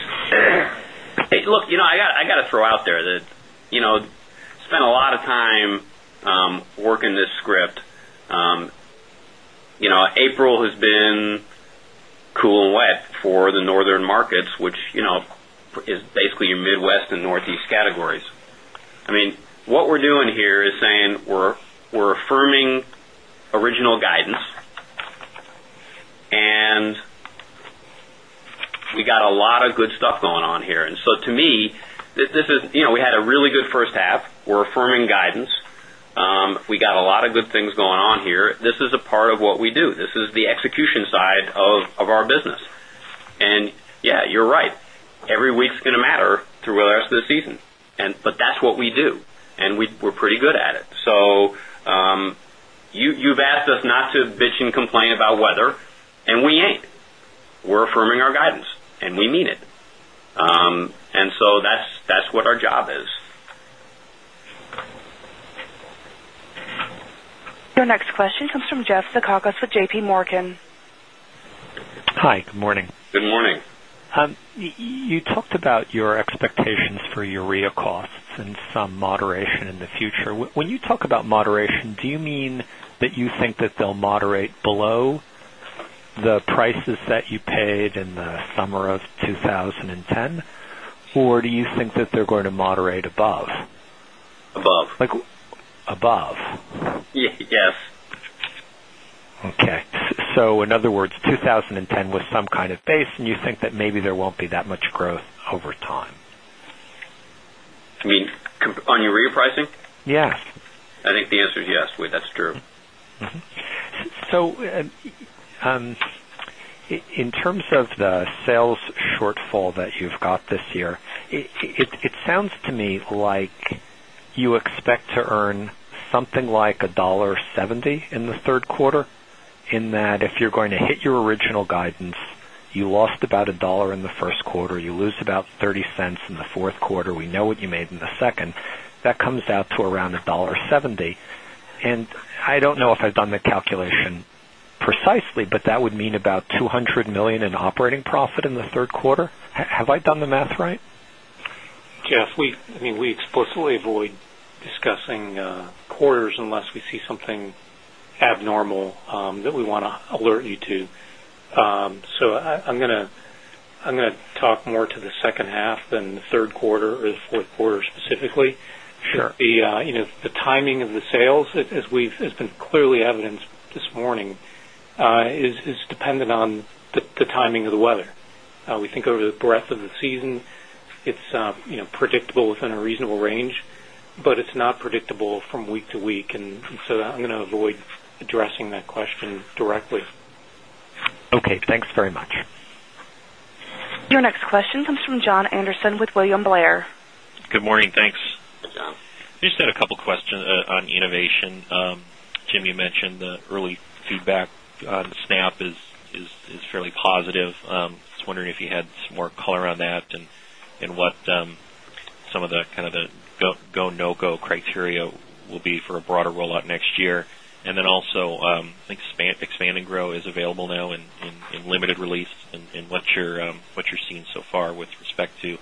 Hey, look, I got to throw out there that I spent a lot of time working this script. April has been cool and wet for the northern markets, which is basically your Midwest and Northeast categories. What we're doing here is saying we're affirming original guidance, and we got a lot of good stuff going on here. To me, this is, we had a really good first half. We're affirming guidance. We got a lot of good things going on here. This is a part of what we do. This is the execution side of our business. Yeah, you're right. Every week's going to matter to where we are in the season. That's what we do, and we're pretty good at it. You've asked us not to bitch and complain about weather, and we ain't. We're affirming our guidance, and we mean it. That's what our job is. Your next question comes from Jeff Zekauskas with JPMorgan. Hi, good morning. Good morning. You talked about your expectations for urea costs and some moderation in the future. When you talk about moderation, do you mean that you think that they'll moderate below the prices that you paid in the summer of 2010, or do you think that they're going to moderate above? Above. Like above? Yes. Okay, in other words, 2010 was some kind of base, and you think that maybe there won't be that much growth over time. You mean on urea pricing? Yes. I think the answer is yes. That's true. In terms of the sales shortfall that you've got this year, it sounds to me like you expect to earn something like $1.70 in the third quarter. If you're going to hit your original guidance, you lost about $1 in the first quarter, you lose about $0.30 in the fourth quarter, we know what you made in the second. That comes out to around $1.70. I don't know if I've done the calculation precisely, but that would mean about $200 million in operating profit in the third quarter. Have I done the math right? Yeah. We explicitly avoid discussing quarters unless we see something abnormal that we want to alert you to. I'm going to talk more to the second half than the third quarter or the fourth quarter specifically. The timing of the sales, as we've been clearly evidenced this morning, is dependent on the timing of the weather. We think over the breadth of the season, it's predictable within a reasonable range, but it's not predictable from week to week. I'm going to avoid addressing that question directly. Okay. Thanks very much. Your next question comes from Jon Robert Andersen with William Blair. Good morning. Thanks. Hey, John. I just had a couple of questions on innovation. Jim, you mentioned the early feedback on SNAP is fairly positive. I was wondering if you had some more color around that and what some of the kind of the go/no-go criteria will be for a broader rollout next year. I think Expand & Grow is available now in limited release, and what you're seeing so far with respect to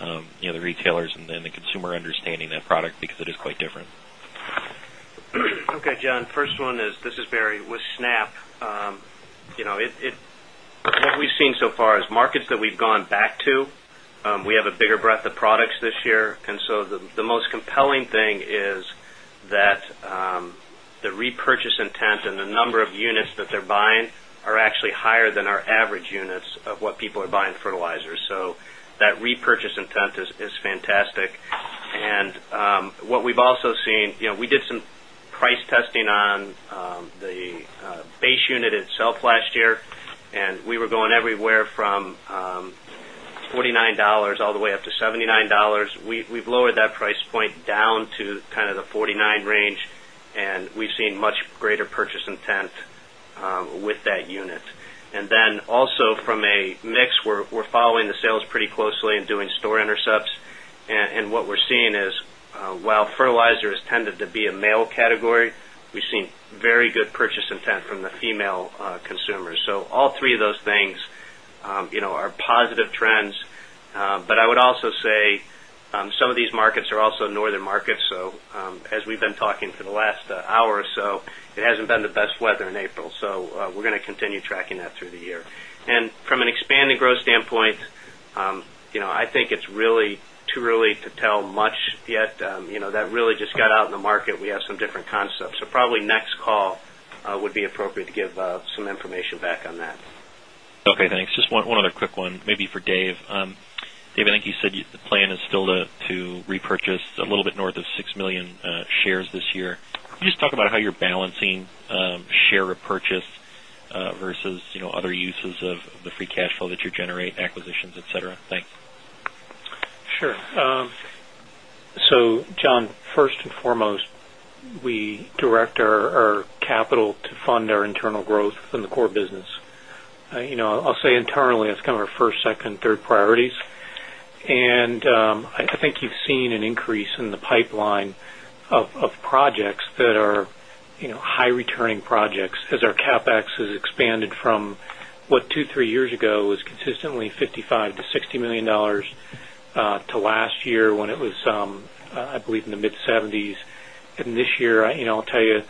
the retailers and then the consumer understanding that product because it is quite different. Okay, John. First one is, this is Barry. With SNAP, what we've seen so far is markets that we've gone back to. We have a bigger breadth of products this year. The most compelling thing is that the repurchase intent and the number of units that they're buying are actually higher than our average units of what people are buying fertilizers. That repurchase intent is fantastic. What we've also seen, we did some price testing on the base unit itself last year, and we were going everywhere from $49 all the way up to $79. We've lowered that price point down to kind of the $49 range, and we've seen much greater purchase intent with that unit. Also from a mix, we're following the sales pretty closely and doing store intercepts. What we're seeing is, while fertilizer has tended to be a male category, we've seen very good purchase intent from the female consumers. All three of those things are positive trends. I would also say some of these markets are also northern markets. As we've been talking for the last hour or so, it hasn't been the best weather in April. We're going to continue tracking that through the year. From an Expand & Grow standpoint, I think it's really too early to tell much yet. That really just got out in the market. We have some different concepts. Probably next call would be appropriate to give some information back on that. Okay, thanks. Just one other quick one, maybe for Dave. Dave, I think you said the plan is still to repurchase a little bit north of 6 million shares this year. Can you just talk about how you're balancing share repurchase versus other uses of the free cash flow that you generate, acquisitions, etc.? Thanks. Sure. John, first and foremost, we direct our capital to fund our internal growth in the core business. I'll say internally, that's kind of our first, second, third priorities. I think you've seen an increase in the pipeline of projects that are high-returning projects as our CapEx has expanded from what two, three years ago was consistently $55 million - $60 million to last year when it was, I believe, in the mid-70's. This year, I'll tell you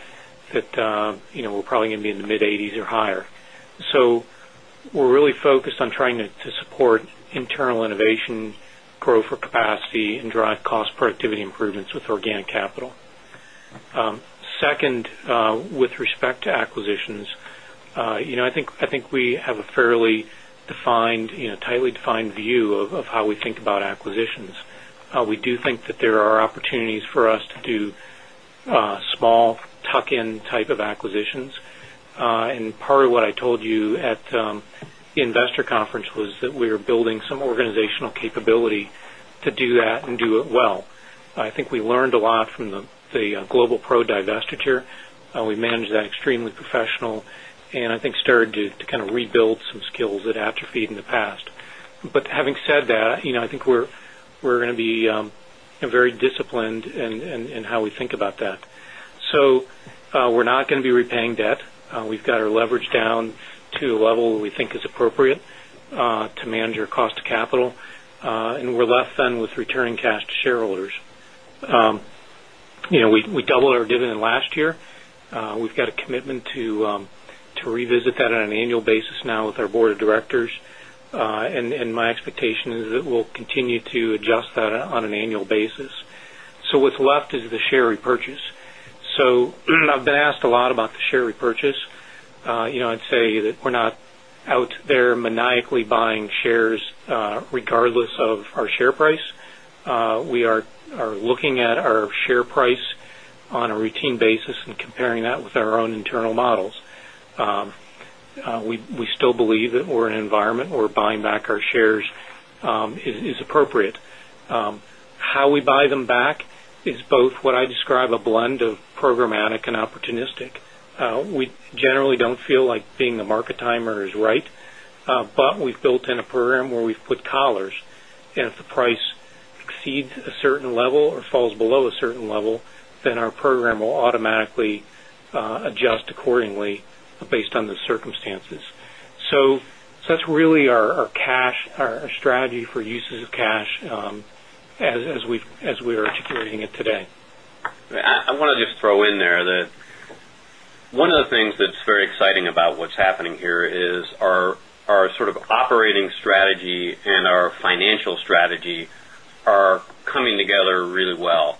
that we're probably going to be in the mid-80's or higher. We're really focused on trying to support internal innovation, growth for capacity, and drive cost productivity improvements with organic capital. Second, with respect to acquisitions, I think we have a fairly defined, tightly defined view of how we think about acquisitions. We do think that there are opportunities for us to do small tuck-in type of acquisitions. Part of what I told you at the investor conference was that we are building some organizational capability to do that and do it well. I think we learned a lot from the Global Pro divestiture. We managed that extremely professionally and I think started to rebuild some skills that atrophied in the past. Having said that, I think we're going to be very disciplined in how we think about that. We're not going to be repaying debt. We've got our leverage down to a level that we think is appropriate to manage our cost of capital. We're less than with returning cash to shareholders. We doubled our dividend last year. We've got a commitment to revisit that on an annual basis now with our Board of Directors. My expectation is that we'll continue to adjust that on an annual basis. What's left is the share repurchase. I've been asked a lot about the share repurchase. I'd say that we're not out there maniacally buying shares regardless of our share price. We are looking at our share price on a routine basis and comparing that with our own internal models. We still believe that we're in an environment where buying back our shares is appropriate. How we buy them back is both what I describe as a blend of programmatic and opportunistic. We generally don't feel like being the market timer is right, but we've built in a program where we've put collars. If the price exceeds a certain level or falls below a certain level, then our program will automatically adjust accordingly based on the circumstances. That's really our strategy for uses of cash as we're articulating it today. I want to just throw in there that one of the things that's very exciting about what's happening here is our sort of operating strategy and our financial strategy are coming together really well.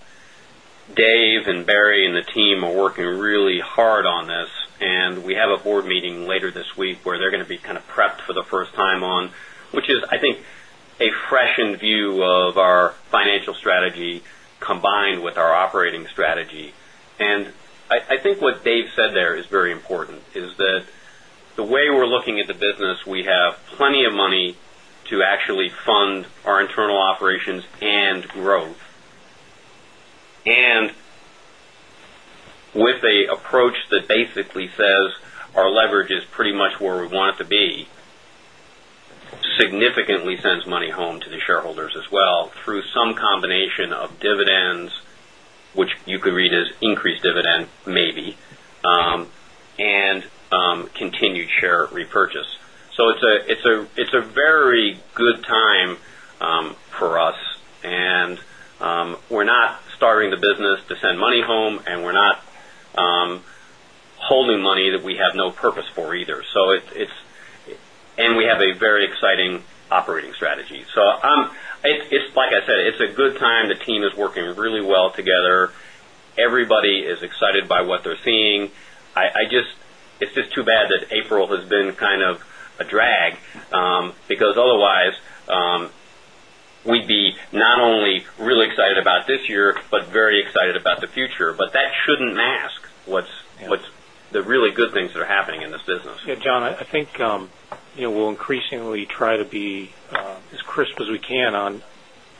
Dave and Barry and the team are working really hard on this. We have a board meeting later this week where they're going to be kind of prepped for the first time on, which is, I think, a freshened view of our financial strategy combined with our operating strategy. I think what Dave said there is very important, is that the way we're looking at the business, we have plenty of money to actually fund our internal operations and growth. With an approach that basically says our leverage is pretty much where we want it to be, significantly sends money home to the shareholders as well through some combination of dividends, which you could read as increased dividend, maybe, and continued share repurchase. It's a very good time for us. We're not starving the business to send money home, and we're not holding money that we have no purpose for either. We have a very exciting operating strategy. Like I said, it's a good time. The team is working really well together. Everybody is excited by what they're seeing. It's just too bad that April has been kind of a drag because otherwise, we'd be not only really excited about this year, but very excited about the future. That shouldn't mask what's the really good things that are happening in this business. Yeah, John, I think we'll increasingly try to be as crisp as we can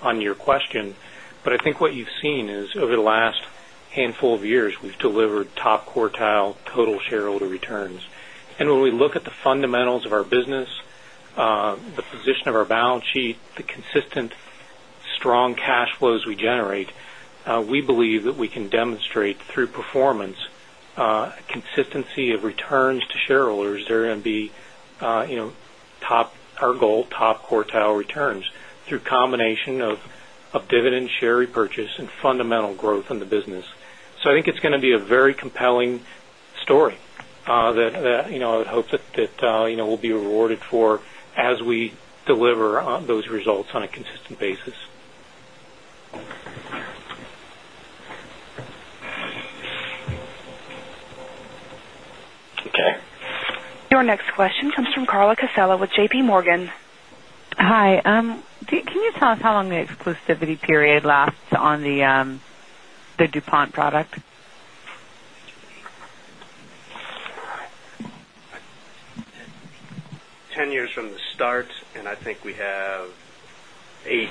on your question. I think what you've seen is over the last handful of years, we've delivered top quartile total shareholder returns. When we look at the fundamentals of our business, the position of our balance sheet, the consistent strong cash flows we generate, we believe that we can demonstrate through performance a consistency of returns to shareholders that are going to be our goal, top quartile returns through a combination of dividend, share repurchase, and fundamental growth in the business. I think it's going to be a very compelling story that I would hope that we'll be rewarded for as we deliver those results on a consistent basis. Your next question comes from Carla Casella with JPMorgan. Hi. Can you tell us how long the exclusivity period lasts on the DuPont product? 10 years from the start, and I think we have eight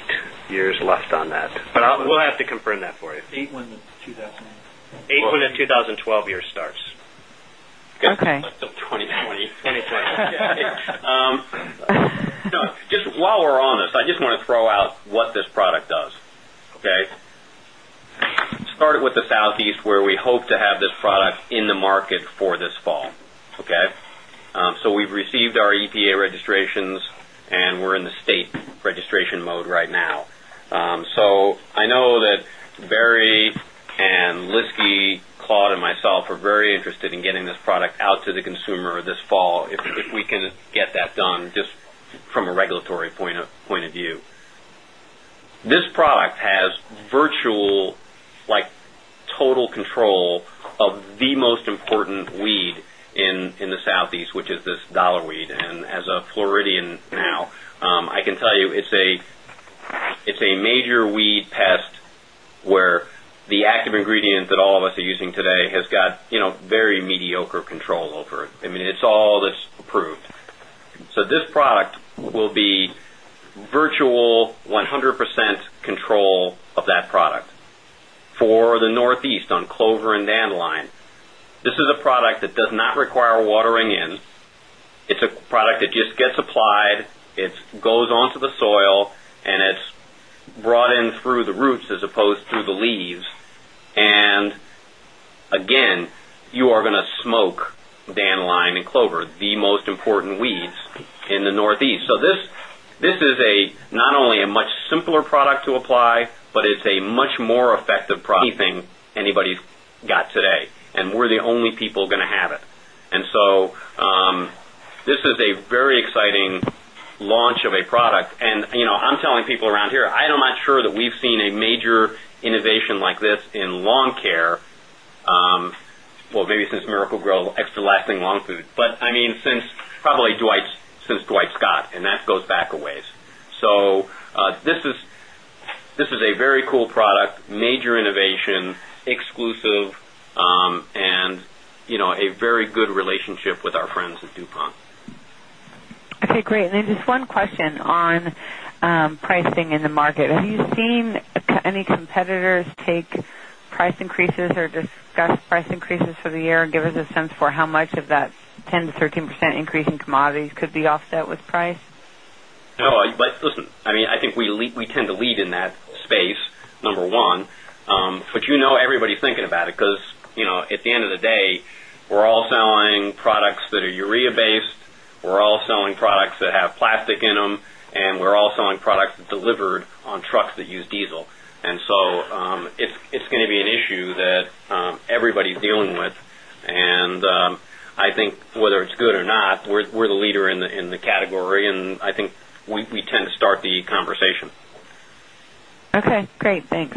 years left on that. We'll have to confirm that for you. Eight when the 2012 year starts. Okay. So 2020. 2020. Just while we're on this, I just want to throw out what this product does, okay? Started with the Southeast where we hope to have this product in the market for this fall, okay? We've received our EPA registrations, and we're in the state registration mode right now. I know that Barry and Lyski, Claude, and myself are very interested in getting this product out to the consumer this fall if we can get that done just from a regulatory point of view. This product has virtual, like, total control of the most important weed in the Southeast, which is this dollar weed. As a Floridian now, I can tell you it's a major weed pest where the active ingredient that all of us are using today has got, you know, very mediocre control over it. I mean, it's all that's approved. This product will be virtual 100% control of that product. For the Northeast on clover and dandelion, this is a product that does not require watering in. It's a product that just gets applied, it goes onto the soil, and it's brought in through the roots as opposed to the leaves. You are going to smoke dandelion and clover, the most important weeds in the Northeast. This is not only a much simpler product to apply, but it's a much more effective product than anybody's got today. We're the only people going to have it. This is a very exciting launch of a product. I'm telling people around here, I am not sure that we've seen a major innovation like this in lawn care. Maybe since Miracle-Gro Extra Lasting Lawn Food. I mean, since probably Dwight Scott, and that goes back a ways. This is a very cool product, major innovation, exclusive, and you know, a very good relationship with our friends at DuPont. Okay, great. Question. On pricing in the market, have you seen any competitors take price increases or discuss price increases for the year, and give us a sense for how much of that 10% - 13% increase in commodities could be offset with price? I think we tend to lead in that space, number one. Everybody's thinking about it because, at the end of the day, we're all selling products that are urea-based, we're all selling products that have plastic in them, and we're all selling products that are delivered on trucks that use diesel. It's going to be an issue that everybody's dealing with. I think whether it's good or not, we're the leader in the category, and I think we tend to start the conversation. Okay, great, thanks.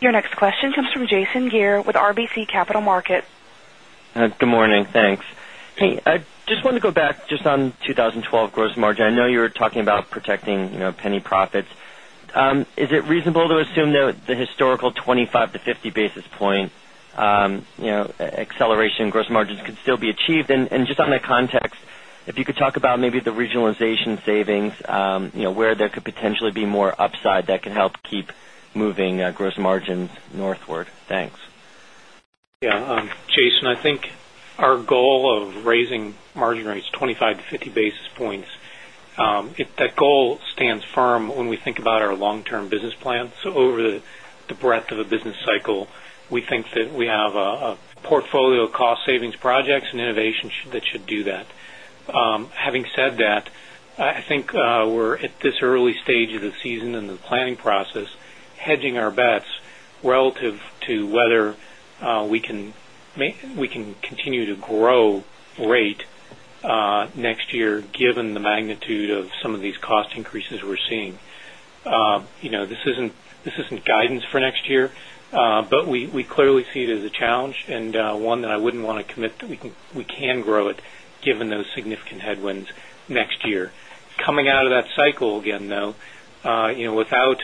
Your next question comes from Jason Gere with RBC Capital Markets. Good morning, thanks. I just want to go back just on 2012 gross margin. I know you were talking about protecting, you know, penny profits. Is it reasonable to assume that the historical 25-50 basis point, you know, acceleration in gross margins could still be achieved? In that context, if you could talk about maybe the regionalization savings, you know, where there could potentially be more upside that could help keep moving gross margins northward. Thanks. Yeah, Jason, I think our goal of raising margin rates 25 to 50 basis points, that goal stands firm when we think about our long-term business plan. Over the breadth of a business cycle, we think that we have a portfolio of cost-savings projects and innovations that should do that. Having said that, I think we're at this early stage of the season in the planning process, hedging our bets relative to whether we can continue to grow rate next year given the magnitude of some of these cost increases we're seeing. This isn't guidance for next year, but we clearly see it as a challenge and one that I wouldn't want to commit that we can grow it given those significant headwinds next year. Coming out of that cycle again, though, without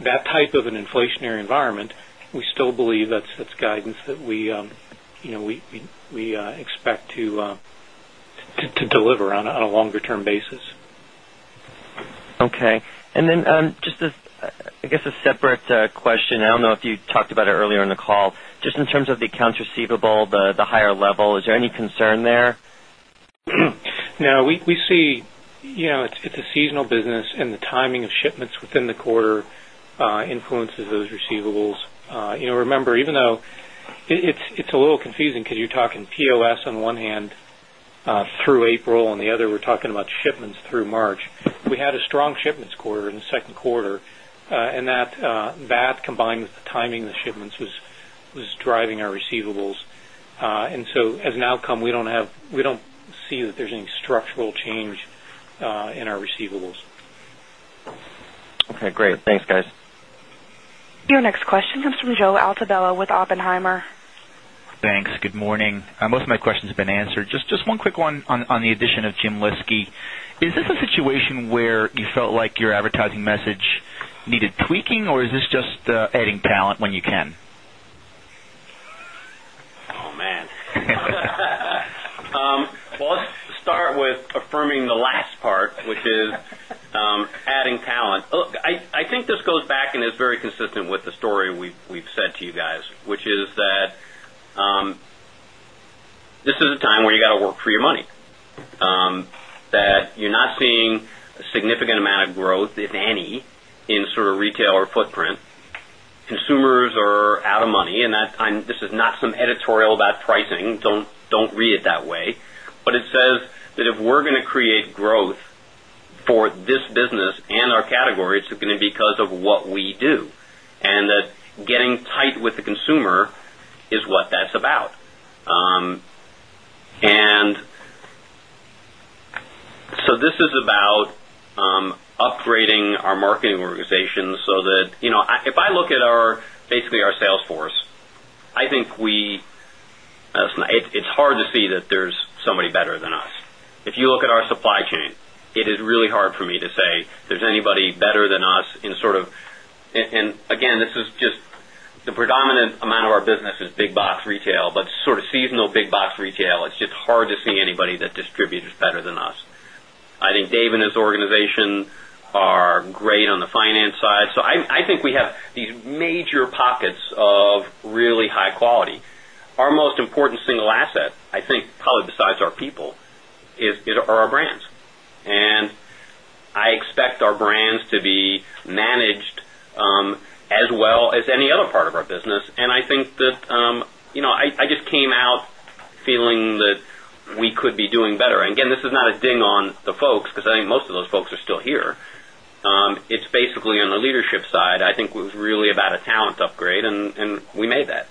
that type of an inflationary environment, we still believe that's guidance that we expect to deliver on a longer-term basis. Okay, just a separate question. I don't know if you talked about it earlier in the call, just in terms of the accounts receivable, the higher level, is there any concern there? No, we see, you know, it's a seasonal business and the timing of shipments within the quarter influences those receivables. You know, remember, even though it's a little confusing because you're talking POS on one hand through April and the other we're talking about shipments through March. We had a strong shipments quarter in the second quarter, and that combined with the timing of the shipments was driving our receivables. As an outcome, we don't see that there's any structural change in our receivables. Okay, great, thanks guys. Your next question comes from Joe Altobello with Oppenheimer. Thanks, good morning. Most of my questions have been answered. Just one quick one on the addition of Jim Lyski. Is this a situation where you felt like your advertising message needed tweaking, or is this just adding talent when you can? Oh, man. Let's start with affirming the last part, which is adding talent. Look, I think this goes back and is very consistent with the story we've said to you guys, which is that this is a time where you have to work for your money. You're not seeing a significant amount of growth, if any, in sort of retail or footprint. Consumers are out of money and this is not some editorial about pricing, don't read it that way. It says that if we're going to create growth for this business and our category, it's going to be because of what we do. Getting tight with the consumer is what that's about. This is about upgrading our marketing organization so that, you know, if I look at our, basically, our sales force, I think it's hard to see that there's somebody better than us. If you look at our supply chain, it is really hard for me to say there's anybody better than us in sort of, and again, the predominant amount of our business is big box retail, but sort of seasonal big box retail, it's just hard to see anybody that distributes better than us. I think Dave and his organization are great on the finance side. I think we have these major pockets of really high quality. Our most important single asset, I think, probably besides our people, are our brands. I expect our brands to be managed as well as any other part of our business. I think that, you know, I just came out feeling that we could be doing better. This is not a ding on the folks because I think most of those folks are still here. It's basically on the leadership side. I think it was really about a talent upgrade and we made that.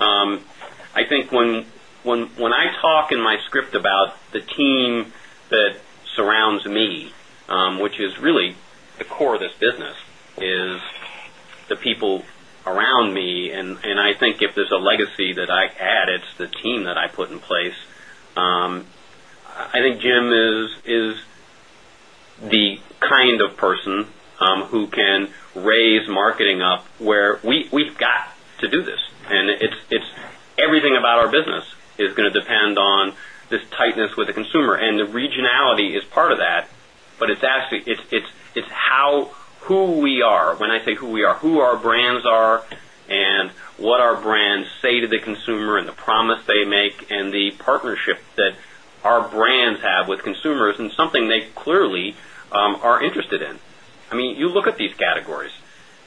I think when I talk in my script about the team that surrounds me, which is really the core of this business, it's the people around me. I think if there's a legacy that I add, it's the team that I put in place. I think Jim is the kind of person who can raise marketing up where we've got to do this. Everything about our business is going to depend on this tightness with the consumer. The regionality is part of that, but it's actually, it's how, who we are. When I say who we are, who our brands are and what our brands say to the consumer and the promise they make and the partnership that our brands have with consumers and something they clearly are interested in. I mean, you look at these categories.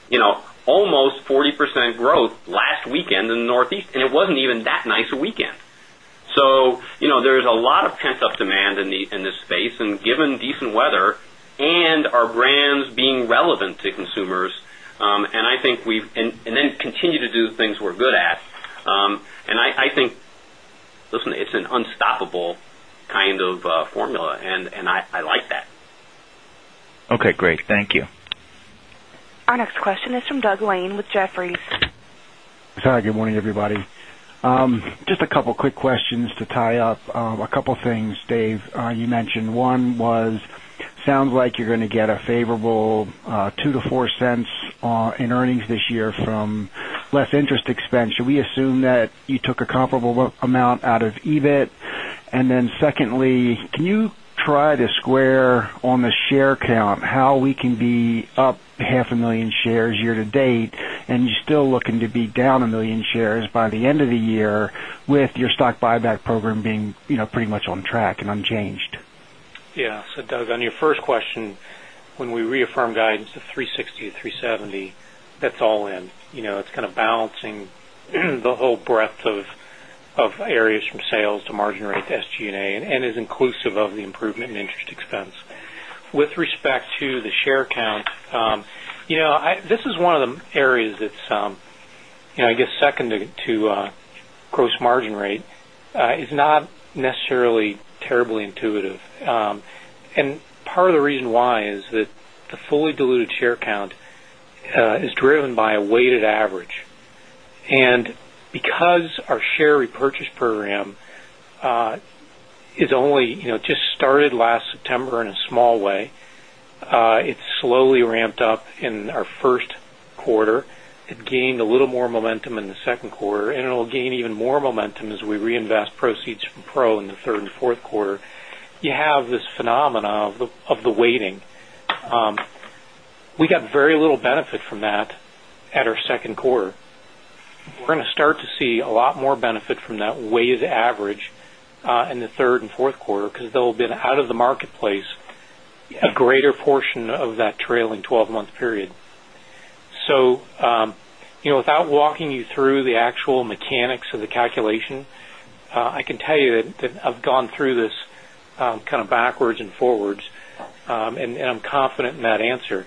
You know, almost 40% growth last weekend in the Northeast, and it wasn't even that nice a weekend. There is a lot of pent-up demand in this space, and given decent weather and our brands being relevant to consumers, I think we've continued to do the things we're good at. I think, listen, it's an unstoppable kind of formula, and I like that. Okay, great, thank you. Our next question is from Doug Lane with Jefferies. Hi, good morning everybody. Just a couple of quick questions to tie up. A couple of things, Dave, you mentioned. One was, sounds like you're going to get a favorable $0.02 - $0.04 in earnings this year from less interest expense. Should we assume that you took a comparable amount out of EBIT? Secondly, can you try to square on the share count how we can be up 500,000 shares year to date and you're still looking to be down 1 million shares by the end of the year with your stock buyback program being, you know, pretty much on track and unchanged? Yeah, so Doug, on your first question, when we reaffirm guidance of $3.60 - $3.70, that's all in. It's kind of balancing the whole breadth of areas from sales to margin rate to SG&A and is inclusive of the improvement in interest expense. With respect to the share count, this is one of the areas that's, I guess second to gross margin rate, not necessarily terribly intuitive. Part of the reason why is that the fully diluted share count is driven by a weighted average. Because our share repurchase program only just started last September in a small way, it's slowly ramped up in our first quarter. It gained a little more momentum in the second quarter and it'll gain even more momentum as we reinvest proceeds from Pro in the third and fourth quarter. You have this phenomenon of the weighting. We got very little benefit from that at our second quarter. We're going to start to see a lot more benefit from that weighted average in the third and fourth quarter because they'll have been out of the marketplace a greater portion of that trailing 12-month period. Without walking you through the actual mechanics of the calculation, I can tell you that I've gone through this kind of backwards and forwards and I'm confident in that answer.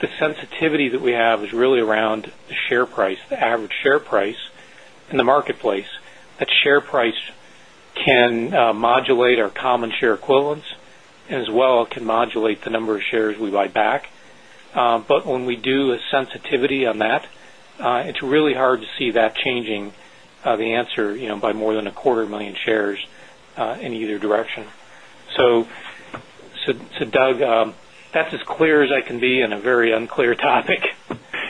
The sensitivity that we have is really around the share price, the average share price in the marketplace. That share price can modulate our common share equivalents and as well can modulate the number of shares we buy back. When we do a sensitivity on that, it's really hard to see that changing the answer by more than a quarter million shares in either direction. Doug, that's as clear as I can be on a very unclear topic.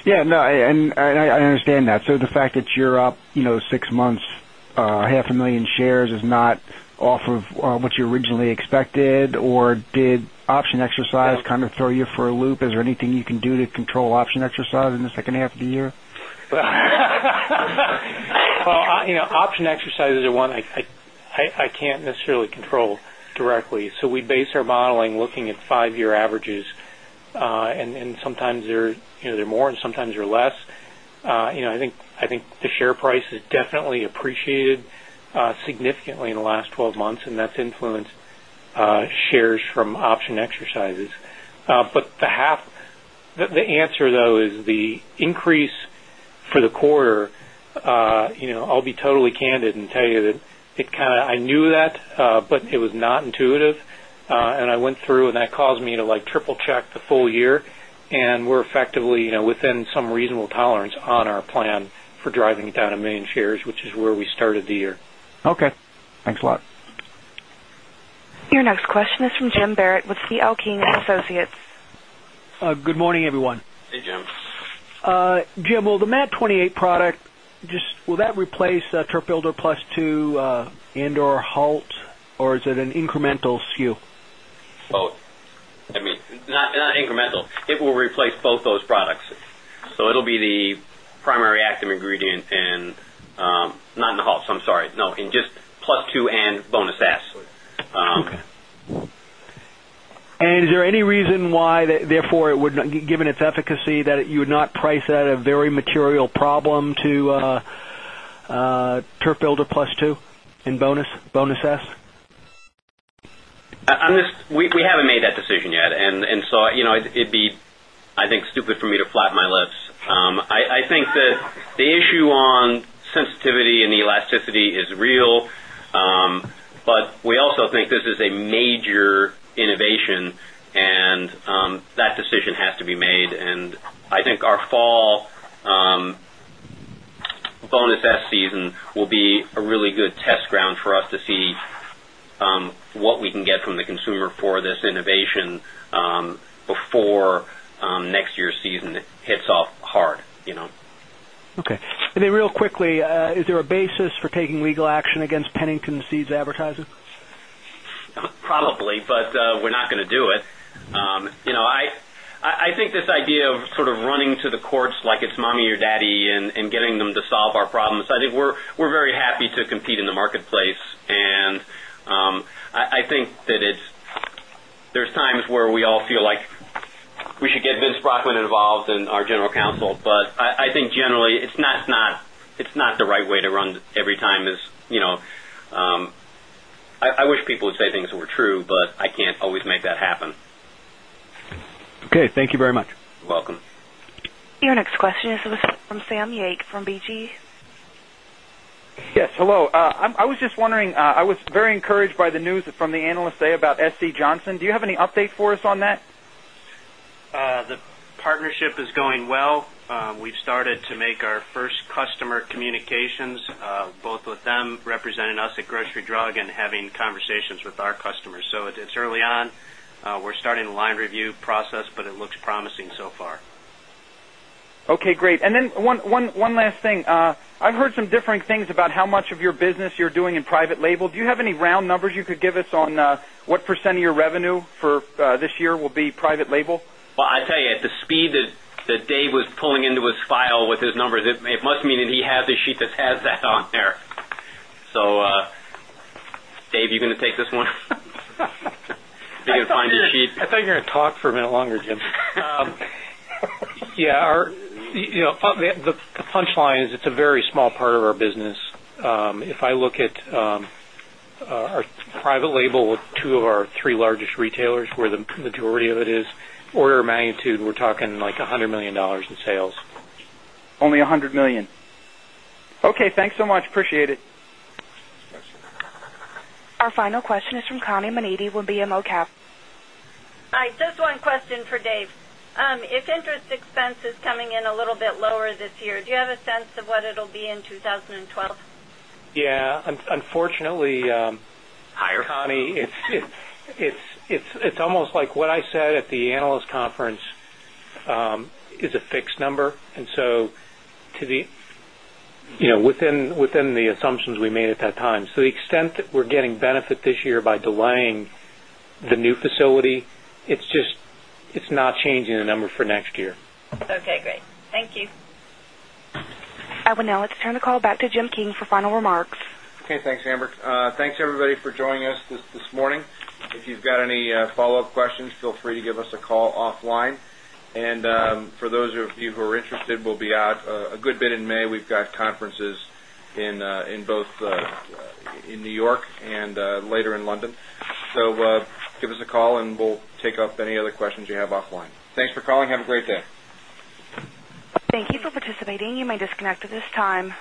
I understand that. The fact that you're up six months, half a million shares, is not off of what you originally expected, or did option exercise kind of throw you for a loop? Is there anything you can do to control option exercise in the second half of the year? Option exercise is the one I can't necessarily control directly. We base our modeling looking at five-year averages and sometimes they're more and sometimes they're less. I think the share price has definitely appreciated significantly in the last 12 months and that's influenced shares from option exercises. The answer though is the increase for the quarter. I'll be totally candid and tell you that it kind of, I knew that, but it was not intuitive and I went through and that caused me to triple check the full year and we're effectively within some reasonable tolerance on our plan for driving it down a million shares, which is where we started the year. Okay, thanks a lot. Your next question is from Jim Barrett with C.L. King & Associates. Good morning, everyone. Hey Jim. Jim, will the MAT28 product, just will that replace Turf Builder Plus 2 and/or HALT or is it an incremental SKU? Both. I mean, not incremental. It will replace both those products. It'll be the primary active ingredient, and not in the HALT, I'm sorry, no, in just Plus 2 and Bonus S. Okay. Is there any reason why, therefore, it would not, given its efficacy, that you would not price out a very material problem to Turf Builder Plus 2 and Bonus S? We haven't made that decision yet, and so, you know, it'd be, I think, stupid for me to flap my lips. I think that the issue on sensitivity and the elasticity is real, but we also think this is a major innovation and that decision has to be made. I think our fall Bonus S season will be a really good test ground for us to see what we can get from the consumer for this innovation before next year's season hits off hard, you know. Okay. Is there a basis for taking legal action against Pennington Seeds Advertising? Probably, but we're not going to do it. I think this idea of sort of running to the courts like it's mommy or daddy and getting them to solve our problems, I think we're very happy to compete in the marketplace. I think that there's times where we all feel like we should get Vince Brockman involved and our General Counsel, but I think generally it's not the right way to run every time. I wish people would say things that were true, but I can't always make that happen. Okay, thank you very much. You're welcome. Your next question is from Sam Yake from BGB. Yes, hello. I was just wondering, I was very encouraged by the news from the analysts there about SC Johnson. Do you have any update for us on that? The partnership is going well. We've started to make our first customer communications, both with them representing us at Grocery Drug and having conversations with our customers. It is early on. We're starting the line review process, but it looks promising so far. Okay, great. One last thing. I've heard some differing things about how much of your business you're doing in private label. Do you have any round numbers you could give us on what % of your revenue for this year will be private label? At the speed that Dave was pulling into his file with his numbers, it must mean that he has a sheet that has that on there. Dave, you're going to take this one if you can find your sheet. I thought you were going to talk for a minute longer, Jim. The punchline is it's a very small part of our business. If I look at our private label with two of our three largest retailers, where the majority of it is, order of magnitude, we're talking like $100 million in sales. Only $100 million. Okay, thanks so much. Appreciate it. Our final question is from Connie Maneaty with BMO Cap. Hi, just one question for Dave. If interest expense is coming in a little bit lower this year, do you have a sense of what it'll be in 2012? Yeah, unfortunately, Connie, it's almost like what I said at the analyst conference is a fixed number. To the extent that we're getting benefit this year by delaying the new facility, it's just not changing the number for next year. Okay, great. Thank you. Let's turn the call back to Jim King for final remarks. Okay, thanks Amber. Thanks everybody for joining us this morning. If you've got any follow-up questions, feel free to give us a call offline. For those of you who are interested, we'll be out a good bit in May. We've got conferences in both New York and later in London. Give us a call and we'll take up any other questions you have offline. Thanks for calling. Have a great day. Thank you for participating. You may disconnect at this time.